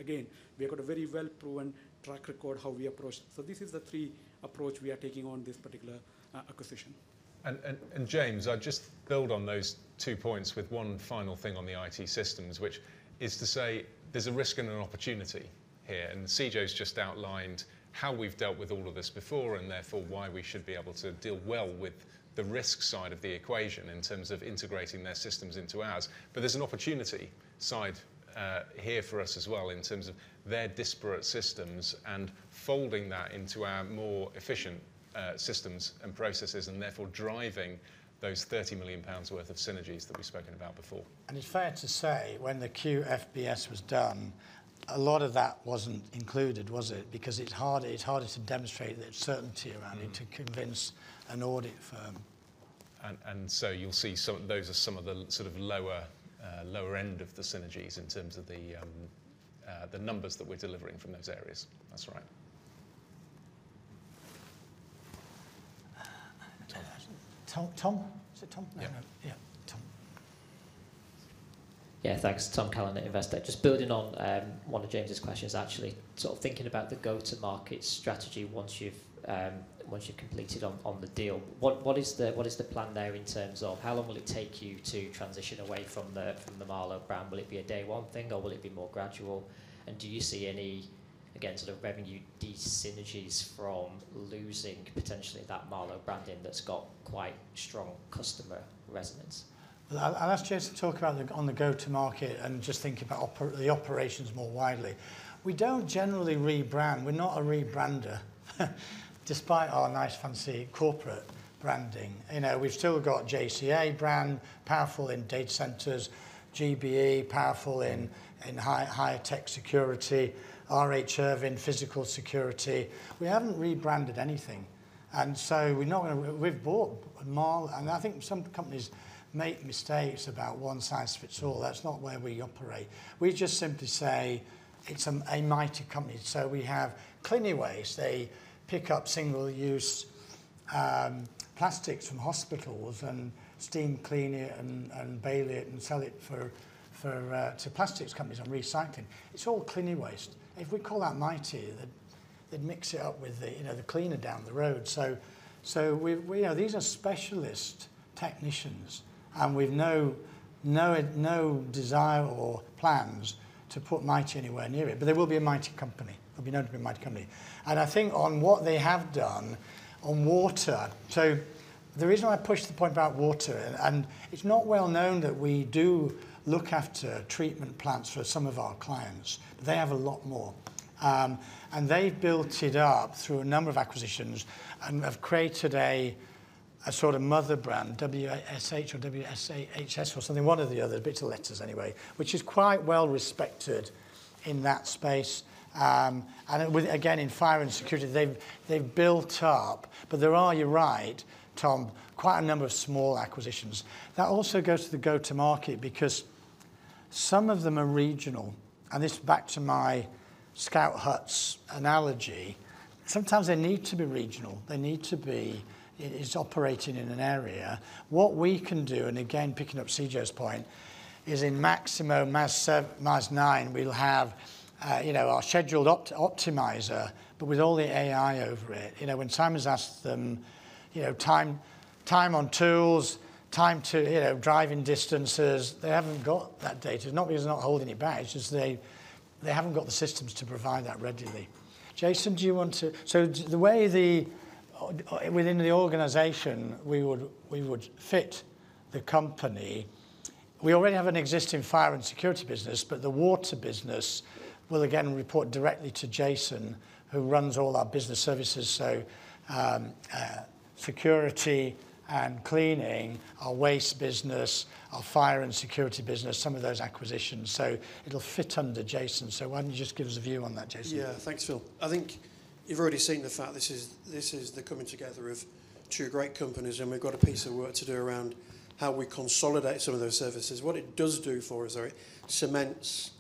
We have a very well-proven track record how we approach. This is the three approaches we are taking on this particular acquisition. James, I'll just build on those two points with one final thing on the IT systems, which is to say there is a risk and an opportunity here. CJ's just outlined how we have dealt with all of this before and therefore why we should be able to deal well with the risk side of the equation in terms of integrating their systems into ours. There is an opportunity side here for us as well in terms of their disparate systems and folding that into our more efficient systems and processes and therefore driving those 30 million pounds worth of synergies that we have spoken about before. It is fair to say when the QFBS was done, a lot of that was not included, was it? Because it is harder to demonstrate the certainty around it to convince an audit firm. You will see those are some of the sort of lower end of the synergies in terms of the numbers that we are delivering from those areas. That is right. Tom? Is it Tom? Yeah. Yeah. Tom. Yeah. Thanks. Tom Callender, Investec. Just building on one of James's questions, actually sort of thinking about the go-to-market strategy once you have completed on the deal. What is the plan there in terms of how long will it take you to transition away from the Marlowe brand? Will it be a day-one thing, or will it be more gradual? And do you see any, again, sort of revenue desynergies from losing potentially that Marlowe branding that's got quite strong customer resonance? I'll ask James to talk on the go-to-market and just think about the operations more widely. We do not generally rebrand. We're not a rebrander, despite our nice fancy corporate branding. We've still got JCA brand, powerful in data centers, GBE, powerful in higher tech security, R H Irving, physical security. We have not rebranded anything. We are not going to. We have bought Marlowe, and I think some companies make mistakes about one size fits all. That is not where we operate. We just simply say it is a Mitie company. We have cleaning waste. They pick up single-use plastics from hospitals and steam clean it and bale it and sell it to plastics companies and recycle it. It's all cleaning waste. If we call out Mitie, they'd mix it up with the cleaner down the road. These are specialist technicians, and we have no desire or plans to put Mitie anywhere near it. They will be a Mitie company. They'll be known to be a Mitie company. I think on what they have done on water, the reason I pushed the point about water, it's not well known that we do look after treatment plants for some of our clients. They have a lot more. They've built it up through a number of acquisitions and have created a sort of mother brand, WSH or WSHS or something, one or the other, a bit of letters anyway, which is quite well respected in that space. Again, in fire and security, they've built up, but there are, you're right, Tom, quite a number of small acquisitions. That also goes to the go-to-market because some of them are regional. This is back to my scout huts analogy. Sometimes they need to be regional. They need to be operating in an area. What we can do, again, picking up CJ's point, is in Maximo, MAS 9, we'll have our scheduled optimiser, but with all the AI over it. When Simon's asked them, time on tools, time to drive in distances, they haven't got that data. It's not because they're not holding it back. It's just they haven't got the systems to provide that readily. Jason, do you want to? The way within the organization we would fit the company, we already have an existing fire and security business, but the water business will again report directly to Jason, who runs all our business services. Security and cleaning, our waste business, our fire and security business, some of those acquisitions. It will fit under Jason. Why don't you just give us a view on that, Jason? Yeah. Thanks, Phil. I think you've already seen the fact this is the coming together of two great companies, and we've got a piece of work to do around how we consolidate some of those services. What it does do for us, though, it cements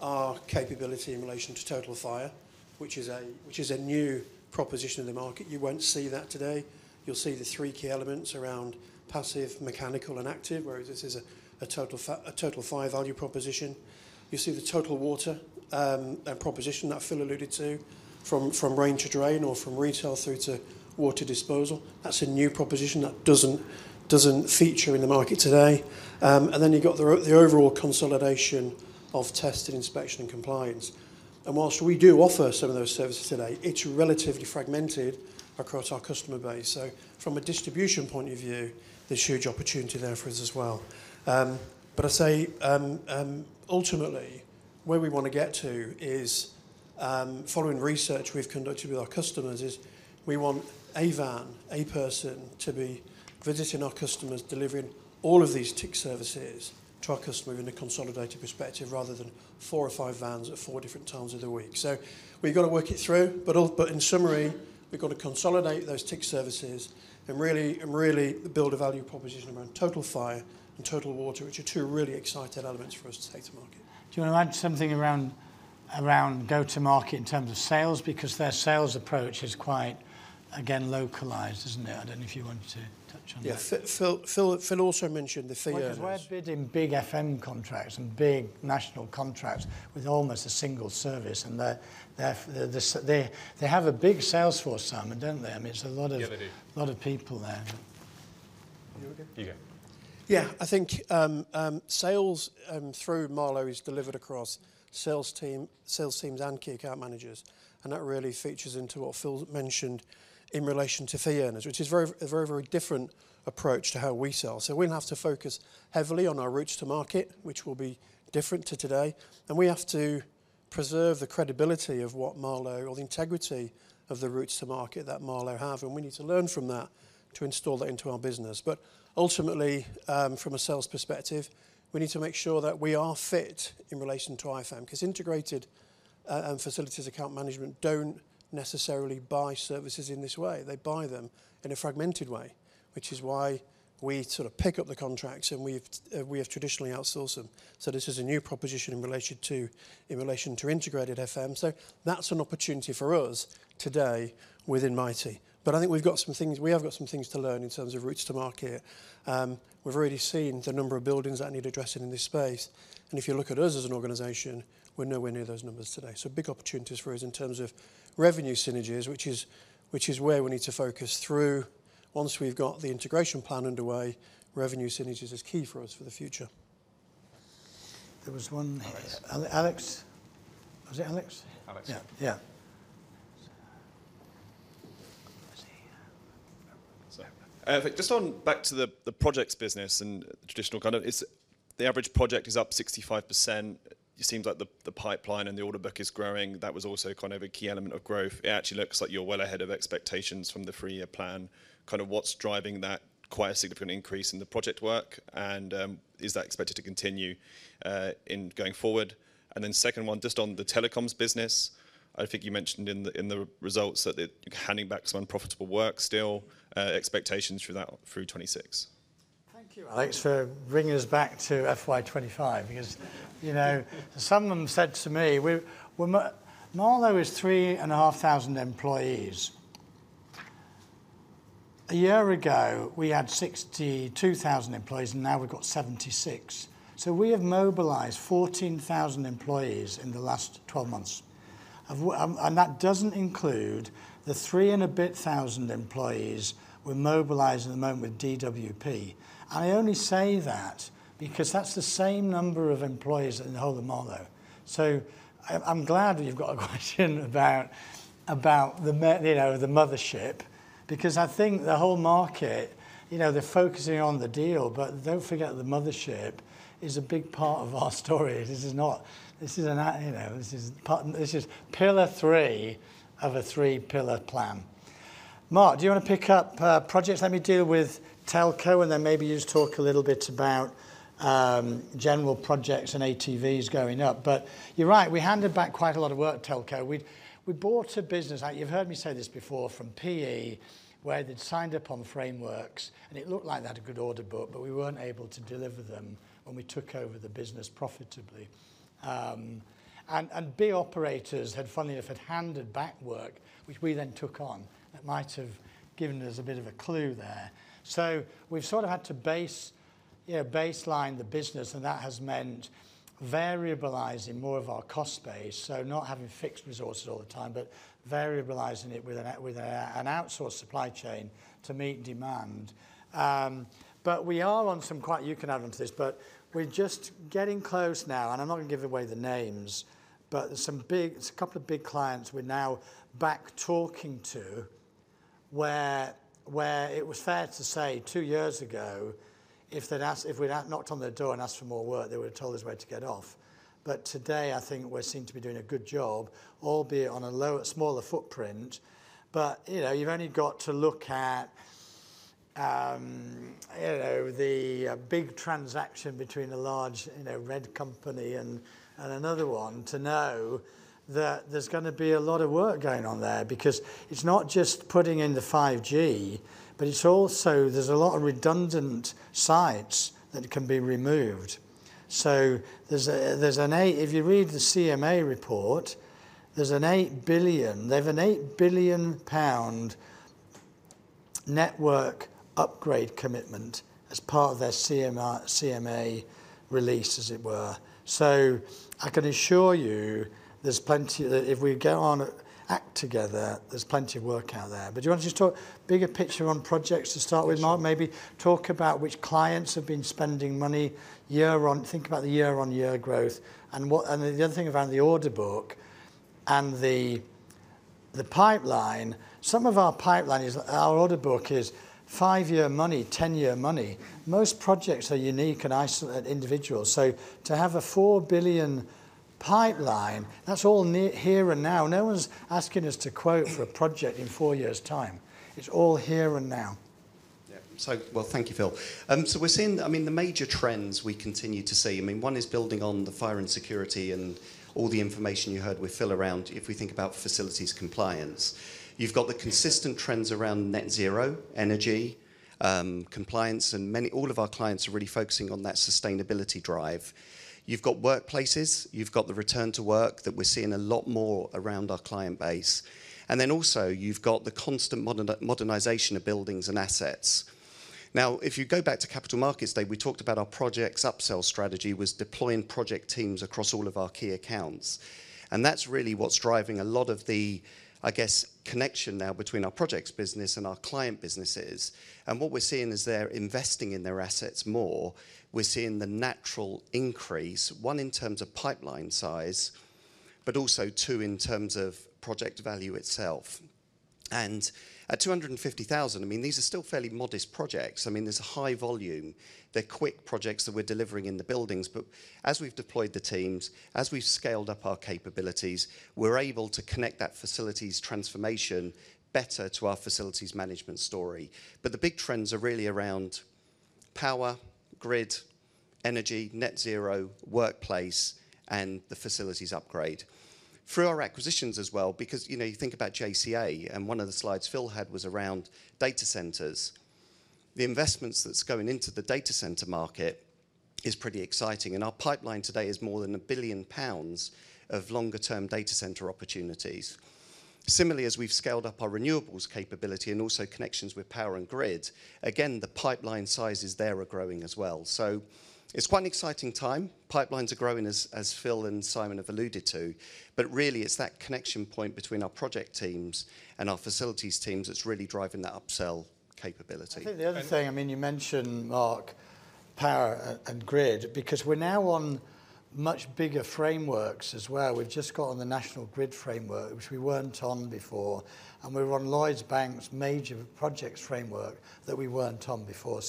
our capability in relation to total fire, which is a new proposition in the market. You won't see that today. You'll see the three key elements around passive, mechanical, and active, whereas this is a total fire value proposition. You see the total water proposition that Phil alluded to from rain to drain or from retail through to water disposal. That is a new proposition that does not feature in the market today. You have the overall consolidation of test and inspection and compliance. Whilst we do offer some of those services today, it is relatively fragmented across our customer base. From a distribution point of view, there is huge opportunity there for us as well. I say ultimately, where we want to get to is following research we've conducted with our customers, we want a van, a person to be visiting our customers, delivering all of these TIC services to our customers in a consolidated perspective rather than four or five vans at four different times of the week. We've got to work it through. In summary, we've got to consolidate those TIC services and really build a value proposition around total fire and total water, which are two really exciting elements for us to take to market. Do you want to add something around go-to-market in terms of sales? Their sales approach is quite, again, localized, isn't it? I don't know if you wanted to touch on that. Yeah. Phil also mentioned the theory. We're bidding big FM contracts and big national contracts with almost a single service. They have a big sales force, Simon, do not they? I mean, it is a lot of people there. You are good. You go. Yeah. I think sales through Marlowe is delivered across sales teams and key account managers. That really features into what Phil mentioned in relation to fee earners, which is a very, very different approach to how we sell. We will have to focus heavily on our routes to market, which will be different to today. We have to preserve the credibility of what Marlowe or the integrity of the routes to market that Marlowe have. We need to learn from that to install that into our business. Ultimately, from a sales perspective, we need to make sure that we are fit in relation to IFM because integrated facilities account management do not necessarily buy services in this way. They buy them in a fragmented way, which is why we sort of pick up the contracts and we have traditionally outsourced them. This is a new proposition in relation to integrated FM. That is an opportunity for us today within Mitie. I think we have got some things to learn in terms of routes to market. We have already seen the number of buildings that need addressing in this space. If you look at us as an organization, we are nowhere near those numbers today. Big opportunities for us in terms of revenue synergies, which is where we need to focus through. Once we have got the integration plan underway, revenue synergies is key for us for the future. There was one. Alex? Was it Alex? Alex. Yeah. Yeah. Just on back to the projects business and the traditional kind of, the average project is up 65%. It seems like the pipeline and the order book is growing. That was also kind of a key element of growth. It actually looks like you're well ahead of expectations from the three-year plan. Kind of what's driving that quite a significant increase in the project work? Is that expected to continue going forward? The second one, just on the telecoms business, I think you mentioned in the results that handing back some unprofitable work still, expectations through 2026. Thank you. Thanks for bringing us back to FY25 because someone said to me, "Marlowe is 3,500 employees." A year ago, we had 62,000 employees, and now we've got 76,000. We have mobilized 14,000 employees in the last 12 months. That does not include the three and a bit thousand employees we are mobilizing at the moment with DWP. I only say that because that is the same number of employees in the whole of Marlowe. I am glad you have got a question about the mothership because I think the whole market, they are focusing on the deal, but do not forget the mothership is a big part of our story. This is not, this is pillar three of a three-pillar plan. Mark, do you want to pick up projects? Let me deal with Telco, and then maybe you just talk a little bit about general projects and ATVs going up. You are right, we handed back quite a lot of work to Telco. We bought a business. You've heard me say this before from PE, where they'd signed up on frameworks, and it looked like they had a good order book, but we weren't able to deliver them when we took over the business profitably. B operators had, funnily enough, handed back work, which we then took on. That might have given us a bit of a clue there. We've sort of had to baseline the business, and that has meant variabilizing more of our cost base, not having fixed resources all the time, but variabilizing it with an outsourced supply chain to meet demand. We are on some quite, you can add on to this, but we're just getting close now, and I'm not going to give away the names, but there's a couple of big clients we're now back talking to where it was fair to say two years ago, if we'd knocked on their door and asked for more work, they would have told us where to get off. Today, I think we're seen to be doing a good job, albeit on a smaller footprint. You've only got to look at the big transaction between a large red company and another one to know that there's going to be a lot of work going on there because it's not just putting in the 5G, but there's a lot of redundant sites that can be removed. If you read the CMA report, there's an GBP 8 billion network upgrade commitment as part of their CMA release, as it were. I can assure you there's plenty if we go on Act Together, there's plenty of work out there. Do you want to just talk bigger picture on projects to start with, Mark? Maybe talk about which clients have been spending money year on, think about the year-on-year growth. The other thing around the order book and the pipeline, some of our pipeline, our order book is five-year money, ten-year money. Most projects are unique and individual. To have a 4 billion pipeline, that's all here and now. No one's asking us to quote for a project in four years' time. It's all here and now. Yeah. Thank you, Phil. We're seeing, I mean, the major trends we continue to see. I mean, one is building on the fire and security and all the information you heard with Phil around if we think about facilities compliance. You have the consistent trends around net zero, energy, compliance, and all of our clients are really focusing on that sustainability drive. You have workplaces. You have the return to work that we are seeing a lot more around our client base. Also, you have the constant modernization of buildings and assets. Now, if you go back to capital markets day, we talked about our projects upsell strategy was deploying project teams across all of our key accounts. That is really what is driving a lot of the, I guess, connection now between our projects business and our client businesses. What we are seeing is they are investing in their assets more. We're seeing the natural increase, one in terms of pipeline size, but also two in terms of project value itself. At 250,000, I mean, these are still fairly modest projects. I mean, there's a high volume. They're quick projects that we're delivering in the buildings. As we've deployed the teams, as we've scaled up our capabilities, we're able to connect that facilities transformation better to our facilities management story. The big trends are really around power, grid, energy, net zero, workplace, and the facilities upgrade. Through our acquisitions as well, because you think about JCA, and one of the slides Phil had was around data centers. The investments that's going into the data center market is pretty exciting. Our pipeline today is more than 1 billion pounds of longer-term data center opportunities. Similarly, as we've scaled up our renewables capability and also connections with power and grid, again, the pipeline sizes there are growing as well. It is quite an exciting time. Pipelines are growing, as Phil and Simon have alluded to. Really, it is that connection point between our project teams and our facilities teams that is really driving that upsell capability. I think the other thing, I mean, you mentioned, Mark, power and grid, because we are now on much bigger frameworks as well. We have just got on the National Grid framework, which we were not on before. We are on Lloyds Bank's major projects framework that we were not on before.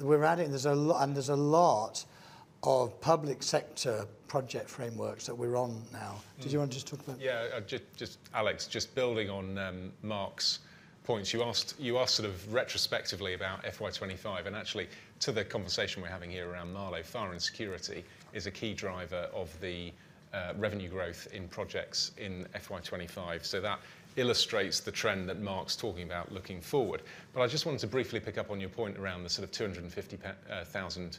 We are adding, and there are a lot of public sector project frameworks that we are on now. Did you want to just talk about that? Yeah. Just, Alex, just building on Mark's points, you asked sort of retrospectively about FY25. Actually, to the conversation we're having here around Marlowe, fire and security is a key driver of the revenue growth in projects in FY25. That illustrates the trend that Mark's talking about looking forward. I just wanted to briefly pick up on your point around the sort of 250,000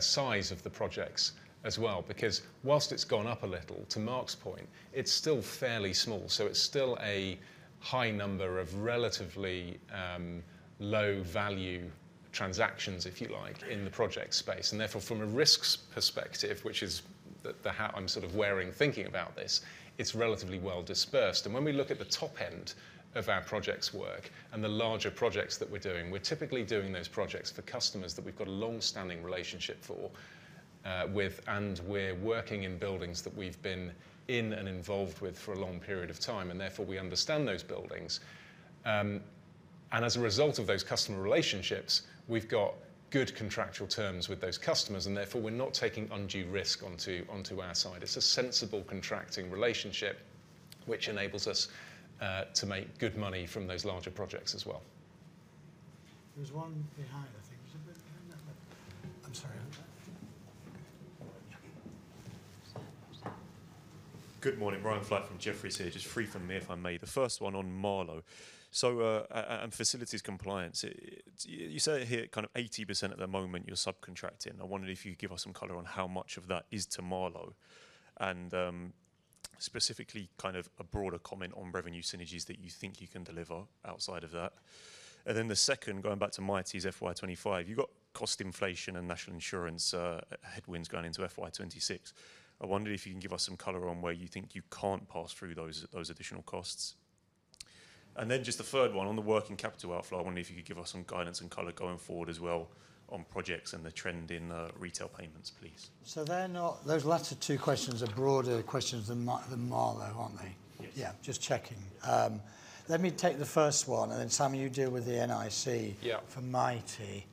size of the projects as well, because whilst it's gone up a little, to Mark's point, it's still fairly small. It's still a high number of relatively low-value transactions, if you like, in the project space. Therefore, from a risks perspective, which is the hat I'm sort of wearing thinking about this, it's relatively well dispersed. When we look at the top end of our projects work and the larger projects that we're doing, we're typically doing those projects for customers that we've got a long-standing relationship with, and we're working in buildings that we've been in and involved with for a long period of time. Therefore, we understand those buildings. As a result of those customer relationships, we've got good contractual terms with those customers. Therefore, we're not taking undue risk onto our side. It's a sensible contracting relationship, which enables us to make good money from those larger projects as well. There's one behind, I think. I'm sorry. Good morning. Ryan Flack from Jefferies here. Just three for me, if I may, the first one on Marlowe. Facilities compliance, you say here kind of 80% at the moment you're subcontracting. I wondered if you could give us some color on how much of that is to Marlowe, and specifically kind of a broader comment on revenue synergies that you think you can deliver outside of that. The second, going back to Mitie's FY25, you've got cost inflation and National Insurance headwinds going into FY26. I wondered if you can give us some color on where you think you can't pass through those additional costs. The third one, on the working capital outflow, I wondered if you could give us some guidance and color going forward as well on projects and the trend in retail payments, please. Those latter two questions are broader questions than Marlowe, aren't they? Yeah, just checking. Let me take the first one. Simon, you deal with the NI for Mitie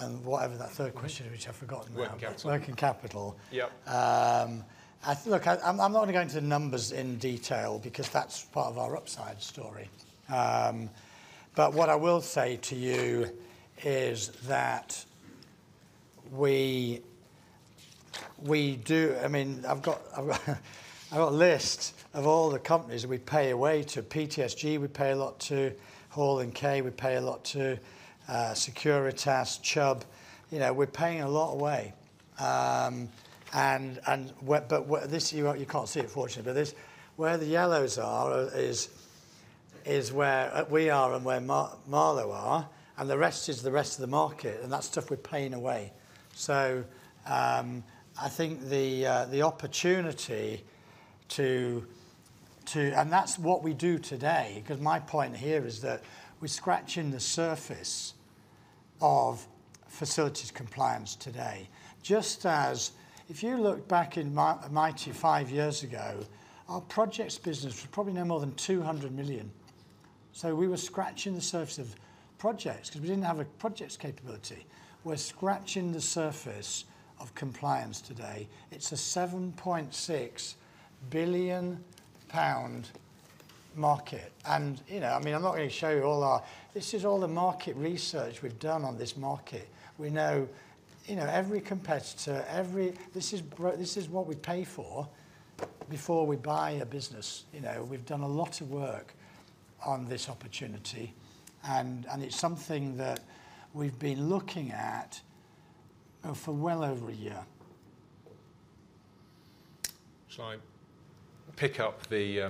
and whatever that third question, which I've forgotten now, working capital. Look, I'm not going to go into the numbers in detail because that's part of our upside story. What I will say to you is that we do, I mean, I've got a list of all the companies we pay away to. PTSG, we pay a lot to, Hall and Kay, we pay a lot to, Securitas, Chubb. We're paying a lot away. You can't see it, fortunately. Where the yellows are is where we are and where Marlowe are. The rest is the rest of the market. That's stuff we're paying away. I think the opportunity to, and that's what we do today, because my point here is that we're scratching the surface of facilities compliance today. Just as if you look back in Mitie five years ago, our projects business was probably no more than 200 million. We were scratching the surface of projects because we did not have a projects capability. We are scratching the surface of compliance today. It is a 7.6 billion pound market. I mean, I am not going to show you all our, this is all the market research we have done on this market. We know every competitor, every, this is what we pay for before we buy a business. We have done a lot of work on this opportunity. It is something that we have been looking at for well over a year. I will pick up the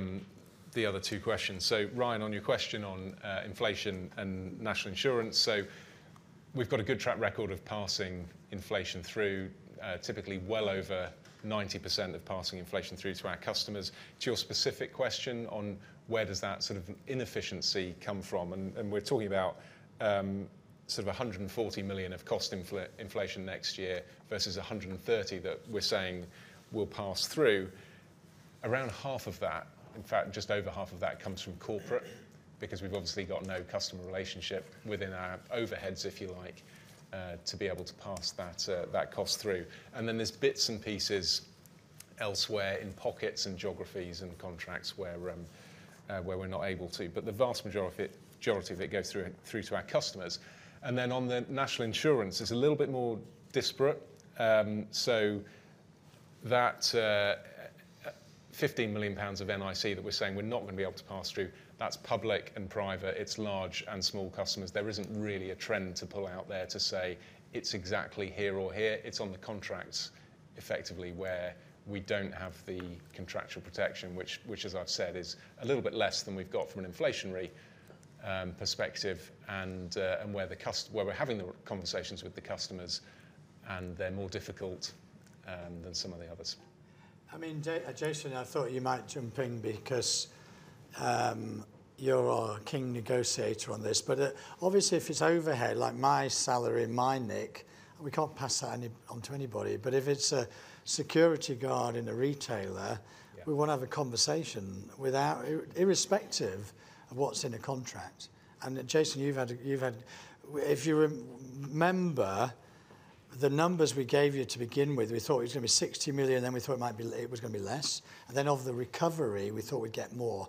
other two questions. Ryan, on your question on inflation and National Insurance, we have got a good track record of passing inflation through, typically well over 90% of passing inflation through to our customers. To your specific question on where does that sort of inefficiency come from, and we're talking about sort of 140 million of cost inflation next year versus 130 million that we're saying will pass through, around half of that, in fact, just over half of that comes from corporate because we've obviously got no customer relationship within our overheads, if you like, to be able to pass that cost through. There are bits and pieces elsewhere in pockets and geographies and contracts where we're not able to. The vast majority of it goes through to our customers. On the National Insurance, it's a little bit more disparate. That 15 million pounds of NI that we're saying we're not going to be able to pass through, that's public and private. It's large and small customers. There isn't really a trend to pull out there to say it's exactly here or here. It's on the contracts effectively where we don't have the contractual protection, which, as I've said, is a little bit less than we've got from an inflationary perspective and where we're having the conversations with the customers, and they're more difficult than some of the others. I mean, Jason, I thought you might jump in because you're our king negotiator on this. Obviously, if it's overhead, like my salary, my NIC, we can't pass that on to anybody. If it's a security guard in a retailer, we want to have a conversation irrespective of what's in a contract. Jason, you've had, if you remember, the numbers we gave you to begin with, we thought it was going to be 60 million. Then we thought it was going to be less. Of the recovery, we thought we'd get more.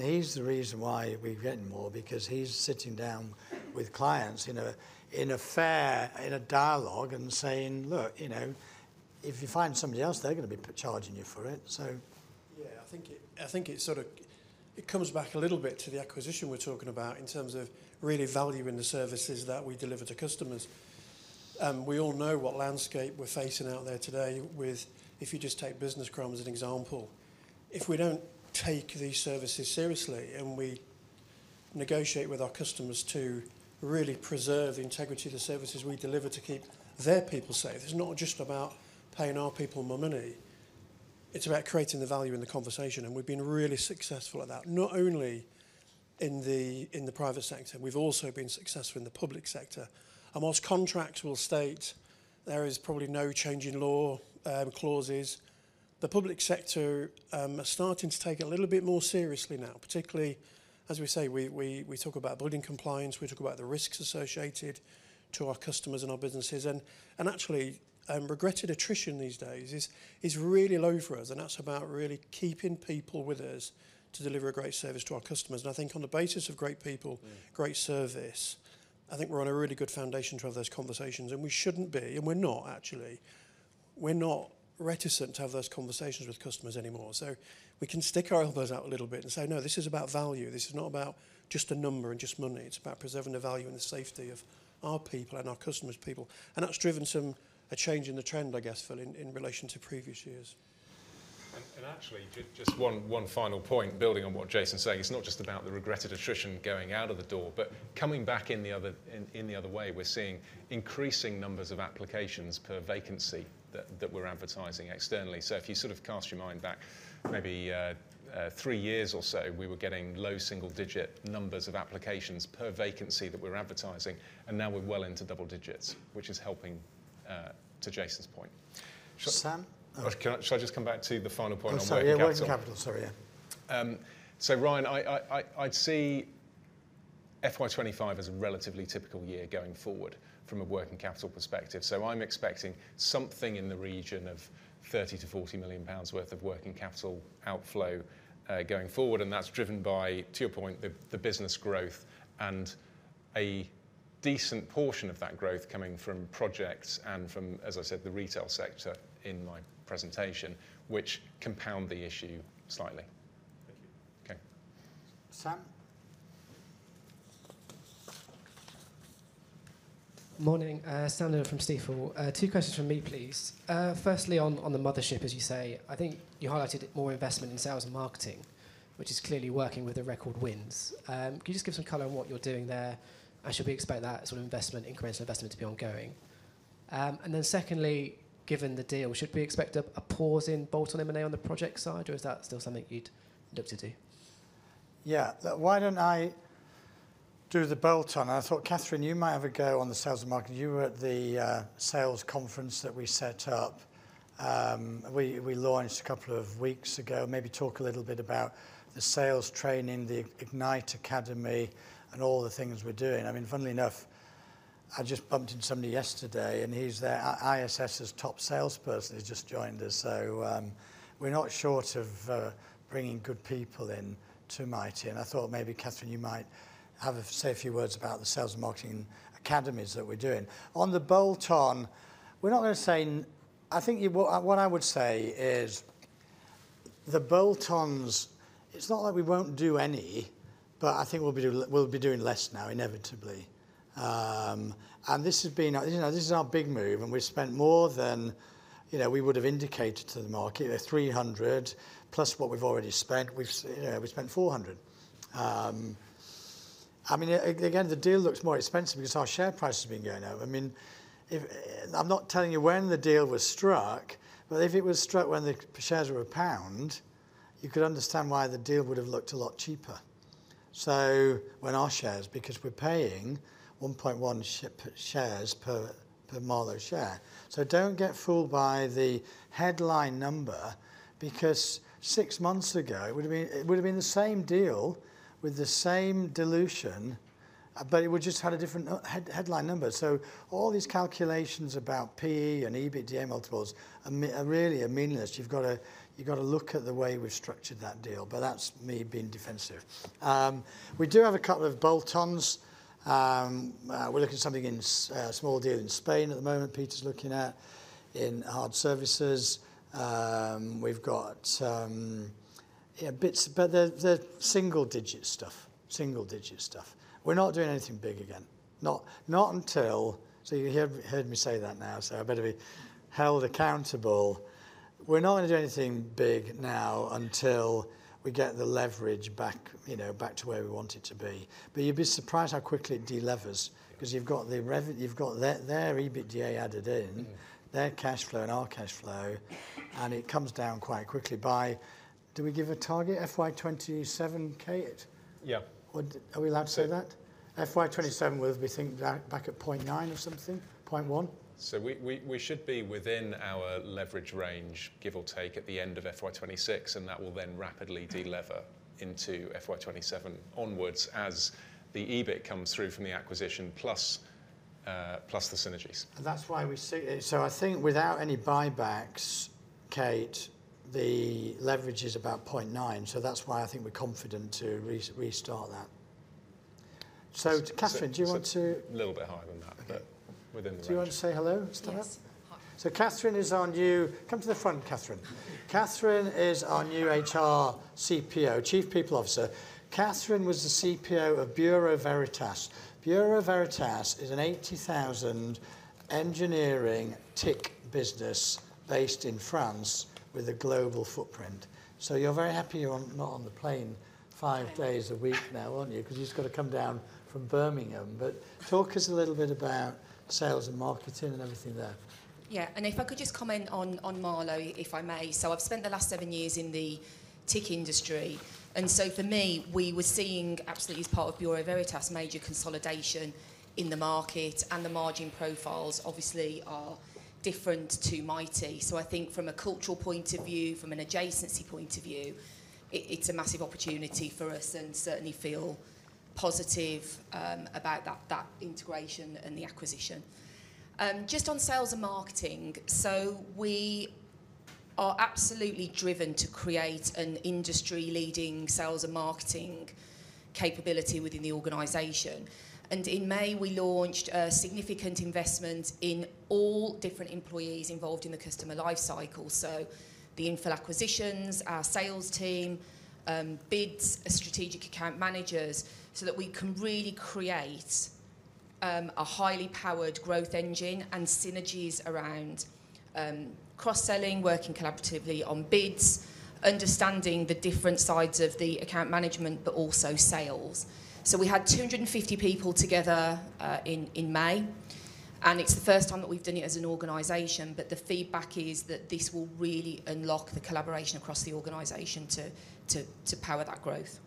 He's the reason why we're getting more because he's sitting down with clients in a fair dialogue and saying, "Look, if you find somebody else, they're going to be charging you for it." Yeah, I think it sort of comes back a little bit to the acquisition we're talking about in terms of really valuing the services that we deliver to customers. We all know what landscape we're facing out there today with, if you just take business crimes as an example, if we don't take these services seriously and we negotiate with our customers to really preserve the integrity of the services we deliver to keep their people safe, it's not just about paying our people more money. It's about creating the value in the conversation. We have been really successful at that, not only in the private sector. We have also been successful in the public sector. Whilst contracts will state, "There is probably no change in law clauses," the public sector are starting to take it a little bit more seriously now, particularly, as we say, we talk about building compliance. We talk about the risks associated to our customers and our businesses. Actually, regretted attrition these days is really low for us. That is about really keeping people with us to deliver a great service to our customers. I think on the basis of great people, great service, I think we are on a really good foundation to have those conversations. We should not be, and we are not, actually. We are not reticent to have those conversations with customers anymore. We can stick our elbows out a little bit and say, "No, this is about value. This is not about just a number and just money. It's about preserving the value and the safety of our people and our customers' people." That has driven some change in the trend, I guess, in relation to previous years. Actually, just one final point, building on what Jason is saying, it's not just about the regretted attrition going out of the door, but coming back in the other way. We're seeing increasing numbers of applications per vacancy that we're advertising externally. If you sort of cast your mind back, maybe three years or so, we were getting low single-digit numbers of applications per vacancy that we're advertising. Now we're well into double digits, which is helping to Jason's point. Sam? Shall I just come back to the final point on working capital? Sorry, yeah. So Ryan, I'd see FY2025 as a relatively typical year going forward from a working capital perspective. So I'm expecting something in the region of 30 million-40 million pounds worth of working capital outflow going forward. That's driven by, to your point, the business growth and a decent portion of that growth coming from projects and from, as I said, the retail sector in my presentation, which compound the issue slightly. Thank you. Okay. Sam? Morning. Simon from CFO. Two questions from me, please. Firstly, on the mothership, as you say, I think you highlighted more investment in sales and marketing, which is clearly working with the record wins. Can you just give some color on what you're doing there? Should we expect that sort of investment, incremental investment, to be ongoing? Then secondly, given the deal, should we expect a pause in bolt-on M&A on the project side, or is that still something you'd look to do? Yeah. Why don't I do the bolt-on? I thought, Catherine, you might have a go on the sales and marketing. You were at the sales conference that we set up. We launched a couple of weeks ago. Maybe talk a little bit about the sales training, the Ignite Academy, and all the things we're doing. I mean, funnily enough, I just bumped into somebody yesterday, and he's the ISS's top salesperson. He's just joined us. So we're not short of bringing good people into Mitie. I thought maybe, Catherine, you might say a few words about the sales and marketing academies that we're doing. On the bolt-on, we're not going to say I think what I would say is the bolt-ons, it's not like we won't do any, but I think we'll be doing less now, inevitably. This has been this is our big move. We've spent more than we would have indicated to the market, 300 million, plus what we've already spent. We've spent 400 million. I mean, again, the deal looks more expensive because our share price has been going up. I mean, I'm not telling you when the deal was struck, but if it was struck when the shares were a pound, you could understand why the deal would have looked a lot cheaper. Our shares because we're paying 1.1 shares per Marlowe share. Do not get fooled by the headline number because six months ago, it would have been the same deal with the same dilution, but it would just have had a different headline number. All these calculations about PE and EBITDA multiples are really meaningless. You have got to look at the way we have structured that deal. That is me being defensive. We do have a couple of bolt-ons. We are looking at something in a small deal in Spain at the moment, Peter is looking at in hard services. We have got bits, but they are single-digit stuff, single-digit stuff. We are not doing anything big again, not until you heard me say that now, so I better be held accountable. We are not going to do anything big now until we get the leverage back to where we want it to be. You'd be surprised how quickly it delevers because you've got their EBITDA added in, their cash flow and our cash flow, and it comes down quite quickly. Do we give a target FY2027, Kate? Yeah. Are we allowed to say that? FY2027 will be back at 0.9 or something, 0.1? We should be within our leverage range, give or take, at the end of FY2026, and that will then rapidly delever into FY2027 onwards as the EBIT comes through from the acquisition plus the synergies. That is why we see it. I think without any buybacks, Kate, the leverage is about 0.9. That is why I think we're confident to restart that. Catherine, do you want to? A little bit higher than that, but within the range. Do you want to say hello? Yes. Catherine is our new come to the front, Catherine. Catherine is our new HR CPO, Chief People Officer. Catherine was the CPO of Bureau Veritas. Bureau Veritas is an 80,000 engineering TIC business based in France with a global footprint. You're very happy you're not on the plane five days a week now, aren't you? Because she's got to come down from Birmingham. Talk to us a little bit about sales and marketing and everything there. Yeah. If I could just comment on Marlowe, if I may. I've spent the last seven years in the TIC industry. For me, we were seeing absolutely, as part of Bureau Veritas, major consolidation in the market. The margin profiles, obviously, are different to Mitie. I think from a cultural point of view, from an adjacency point of view, it's a massive opportunity for us and certainly feel positive about that integration and the acquisition. Just on sales and marketing, we are absolutely driven to create an industry-leading sales and marketing capability within the organization. In May, we launched a significant investment in all different employees involved in the customer lifecycle. The infill acquisitions, our sales team, bids, strategic account managers, so that we can really create a highly powered growth engine and synergies around cross-selling, working collaboratively on bids, understanding the different sides of the account management, but also sales. We had 250 people together in May. It is the first time that we have done it as an organization. The feedback is that this will really unlock the collaboration across the organization to power that growth.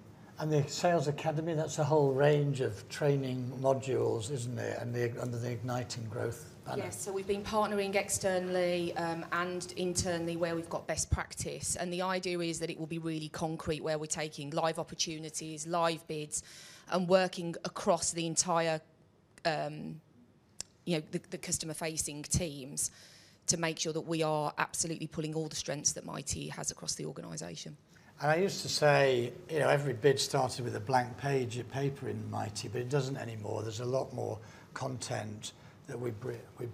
The sales academy, that is a whole range of training modules, is not it? Under the Ignite and growth. Yes. We have been partnering externally and internally where we have best practice. The idea is that it will be really concrete where we're taking live opportunities, live bids, and working across the entire customer-facing teams to make sure that we are absolutely pulling all the strengths that Mitie has across the organization. I used to say every bid started with a blank page of paper in Mitie, but it doesn't anymore. There's a lot more content that we're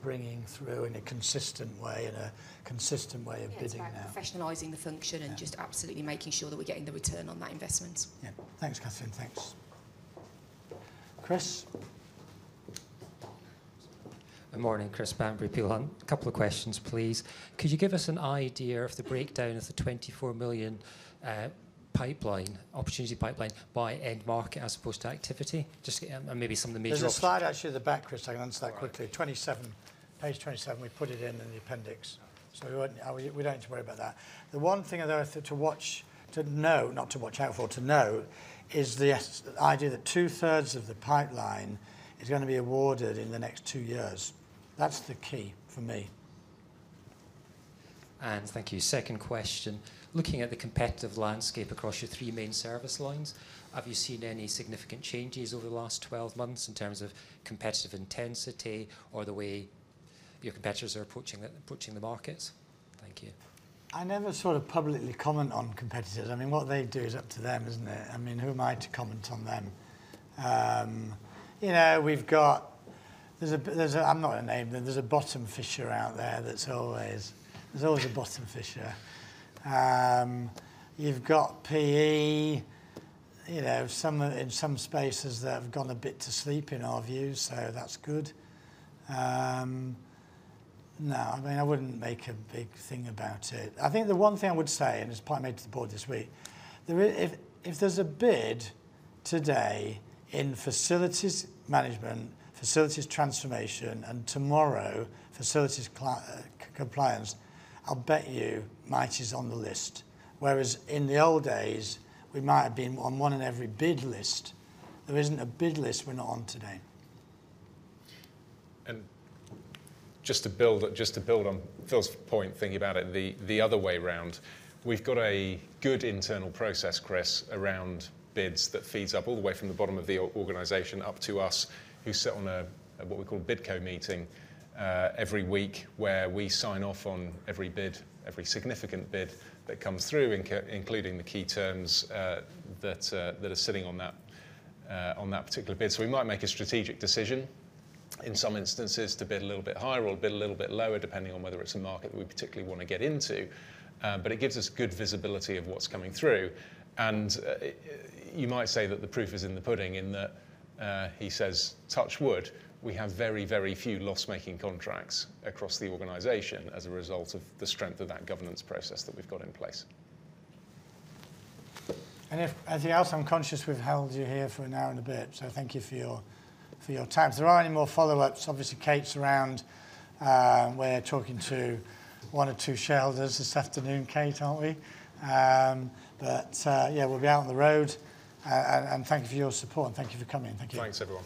bringing through in a consistent way, in a consistent way of bidding now. It's about professionalizing the function and just absolutely making sure that we're getting the return on that investment. Yeah. Thanks, Catherine. Thanks, Chris. Good morning. Chris Banbury, Peel Hunt. A couple of questions, please. Could you give us an idea of the breakdown of the 24 million opportunity pipeline by end market as opposed to activity? Just maybe some of the major opportunity. There's a slide actually at the back, Chris. I can answer that quickly. Page 27, we put it in in the appendix. We do not need to worry about that. The one thing I would like to know, not to watch out for, to know is the idea that two-thirds of the pipeline is going to be awarded in the next two years. That is the key for me. Thank you. Second question. Looking at the competitive landscape across your three main service lines, have you seen any significant changes over the last 12 months in terms of competitive intensity or the way your competitors are approaching the markets? Thank you. I never sort of publicly comment on competitors. I mean, what they do is up to them, is it not? I mean, who am I to comment on them? We have got, I am not going to name them. There's a bottom fisher out there that's always, there's always a bottom fisher. You've got PE in some spaces that have gone a bit to sleep, in our view, so that's good. No. I mean, I wouldn't make a big thing about it. I think the one thing I would say, and it's partly made to the board this week, if there's a bid today in facilities management, facilities transformation, and tomorrow, facilities compliance, I'll bet you Mitie's on the list. Whereas in the old days, we might have been on one in every bid list. There isn't a bid list we're not on today. Just to build on Phil's point, thinking about it the other way around, we've got a good internal process, Chris, around bids that feeds up all the way from the bottom of the organization up to us, who sit on what we call a Bidco meeting every week where we sign off on every bid, every significant bid that comes through, including the key terms that are sitting on that particular bid. We might make a strategic decision in some instances to bid a little bit higher or bid a little bit lower, depending on whether it's a market that we particularly want to get into. It gives us good visibility of what's coming through. You might say that the proof is in the pudding in that he says, "Touch wood, we have very, very few loss-making contracts across the organization as a result of the strength of that governance process that we have got in place." If anything else, I am conscious we have held you here for an hour and a bit. Thank you for your time. If there are not any more follow-ups, obviously, Kate, it is around we are talking to one or two shareholders this afternoon, Kate, are we not? We will be out on the road. Thank you for your support, and thank you for coming. Thank you. Thanks, everyone.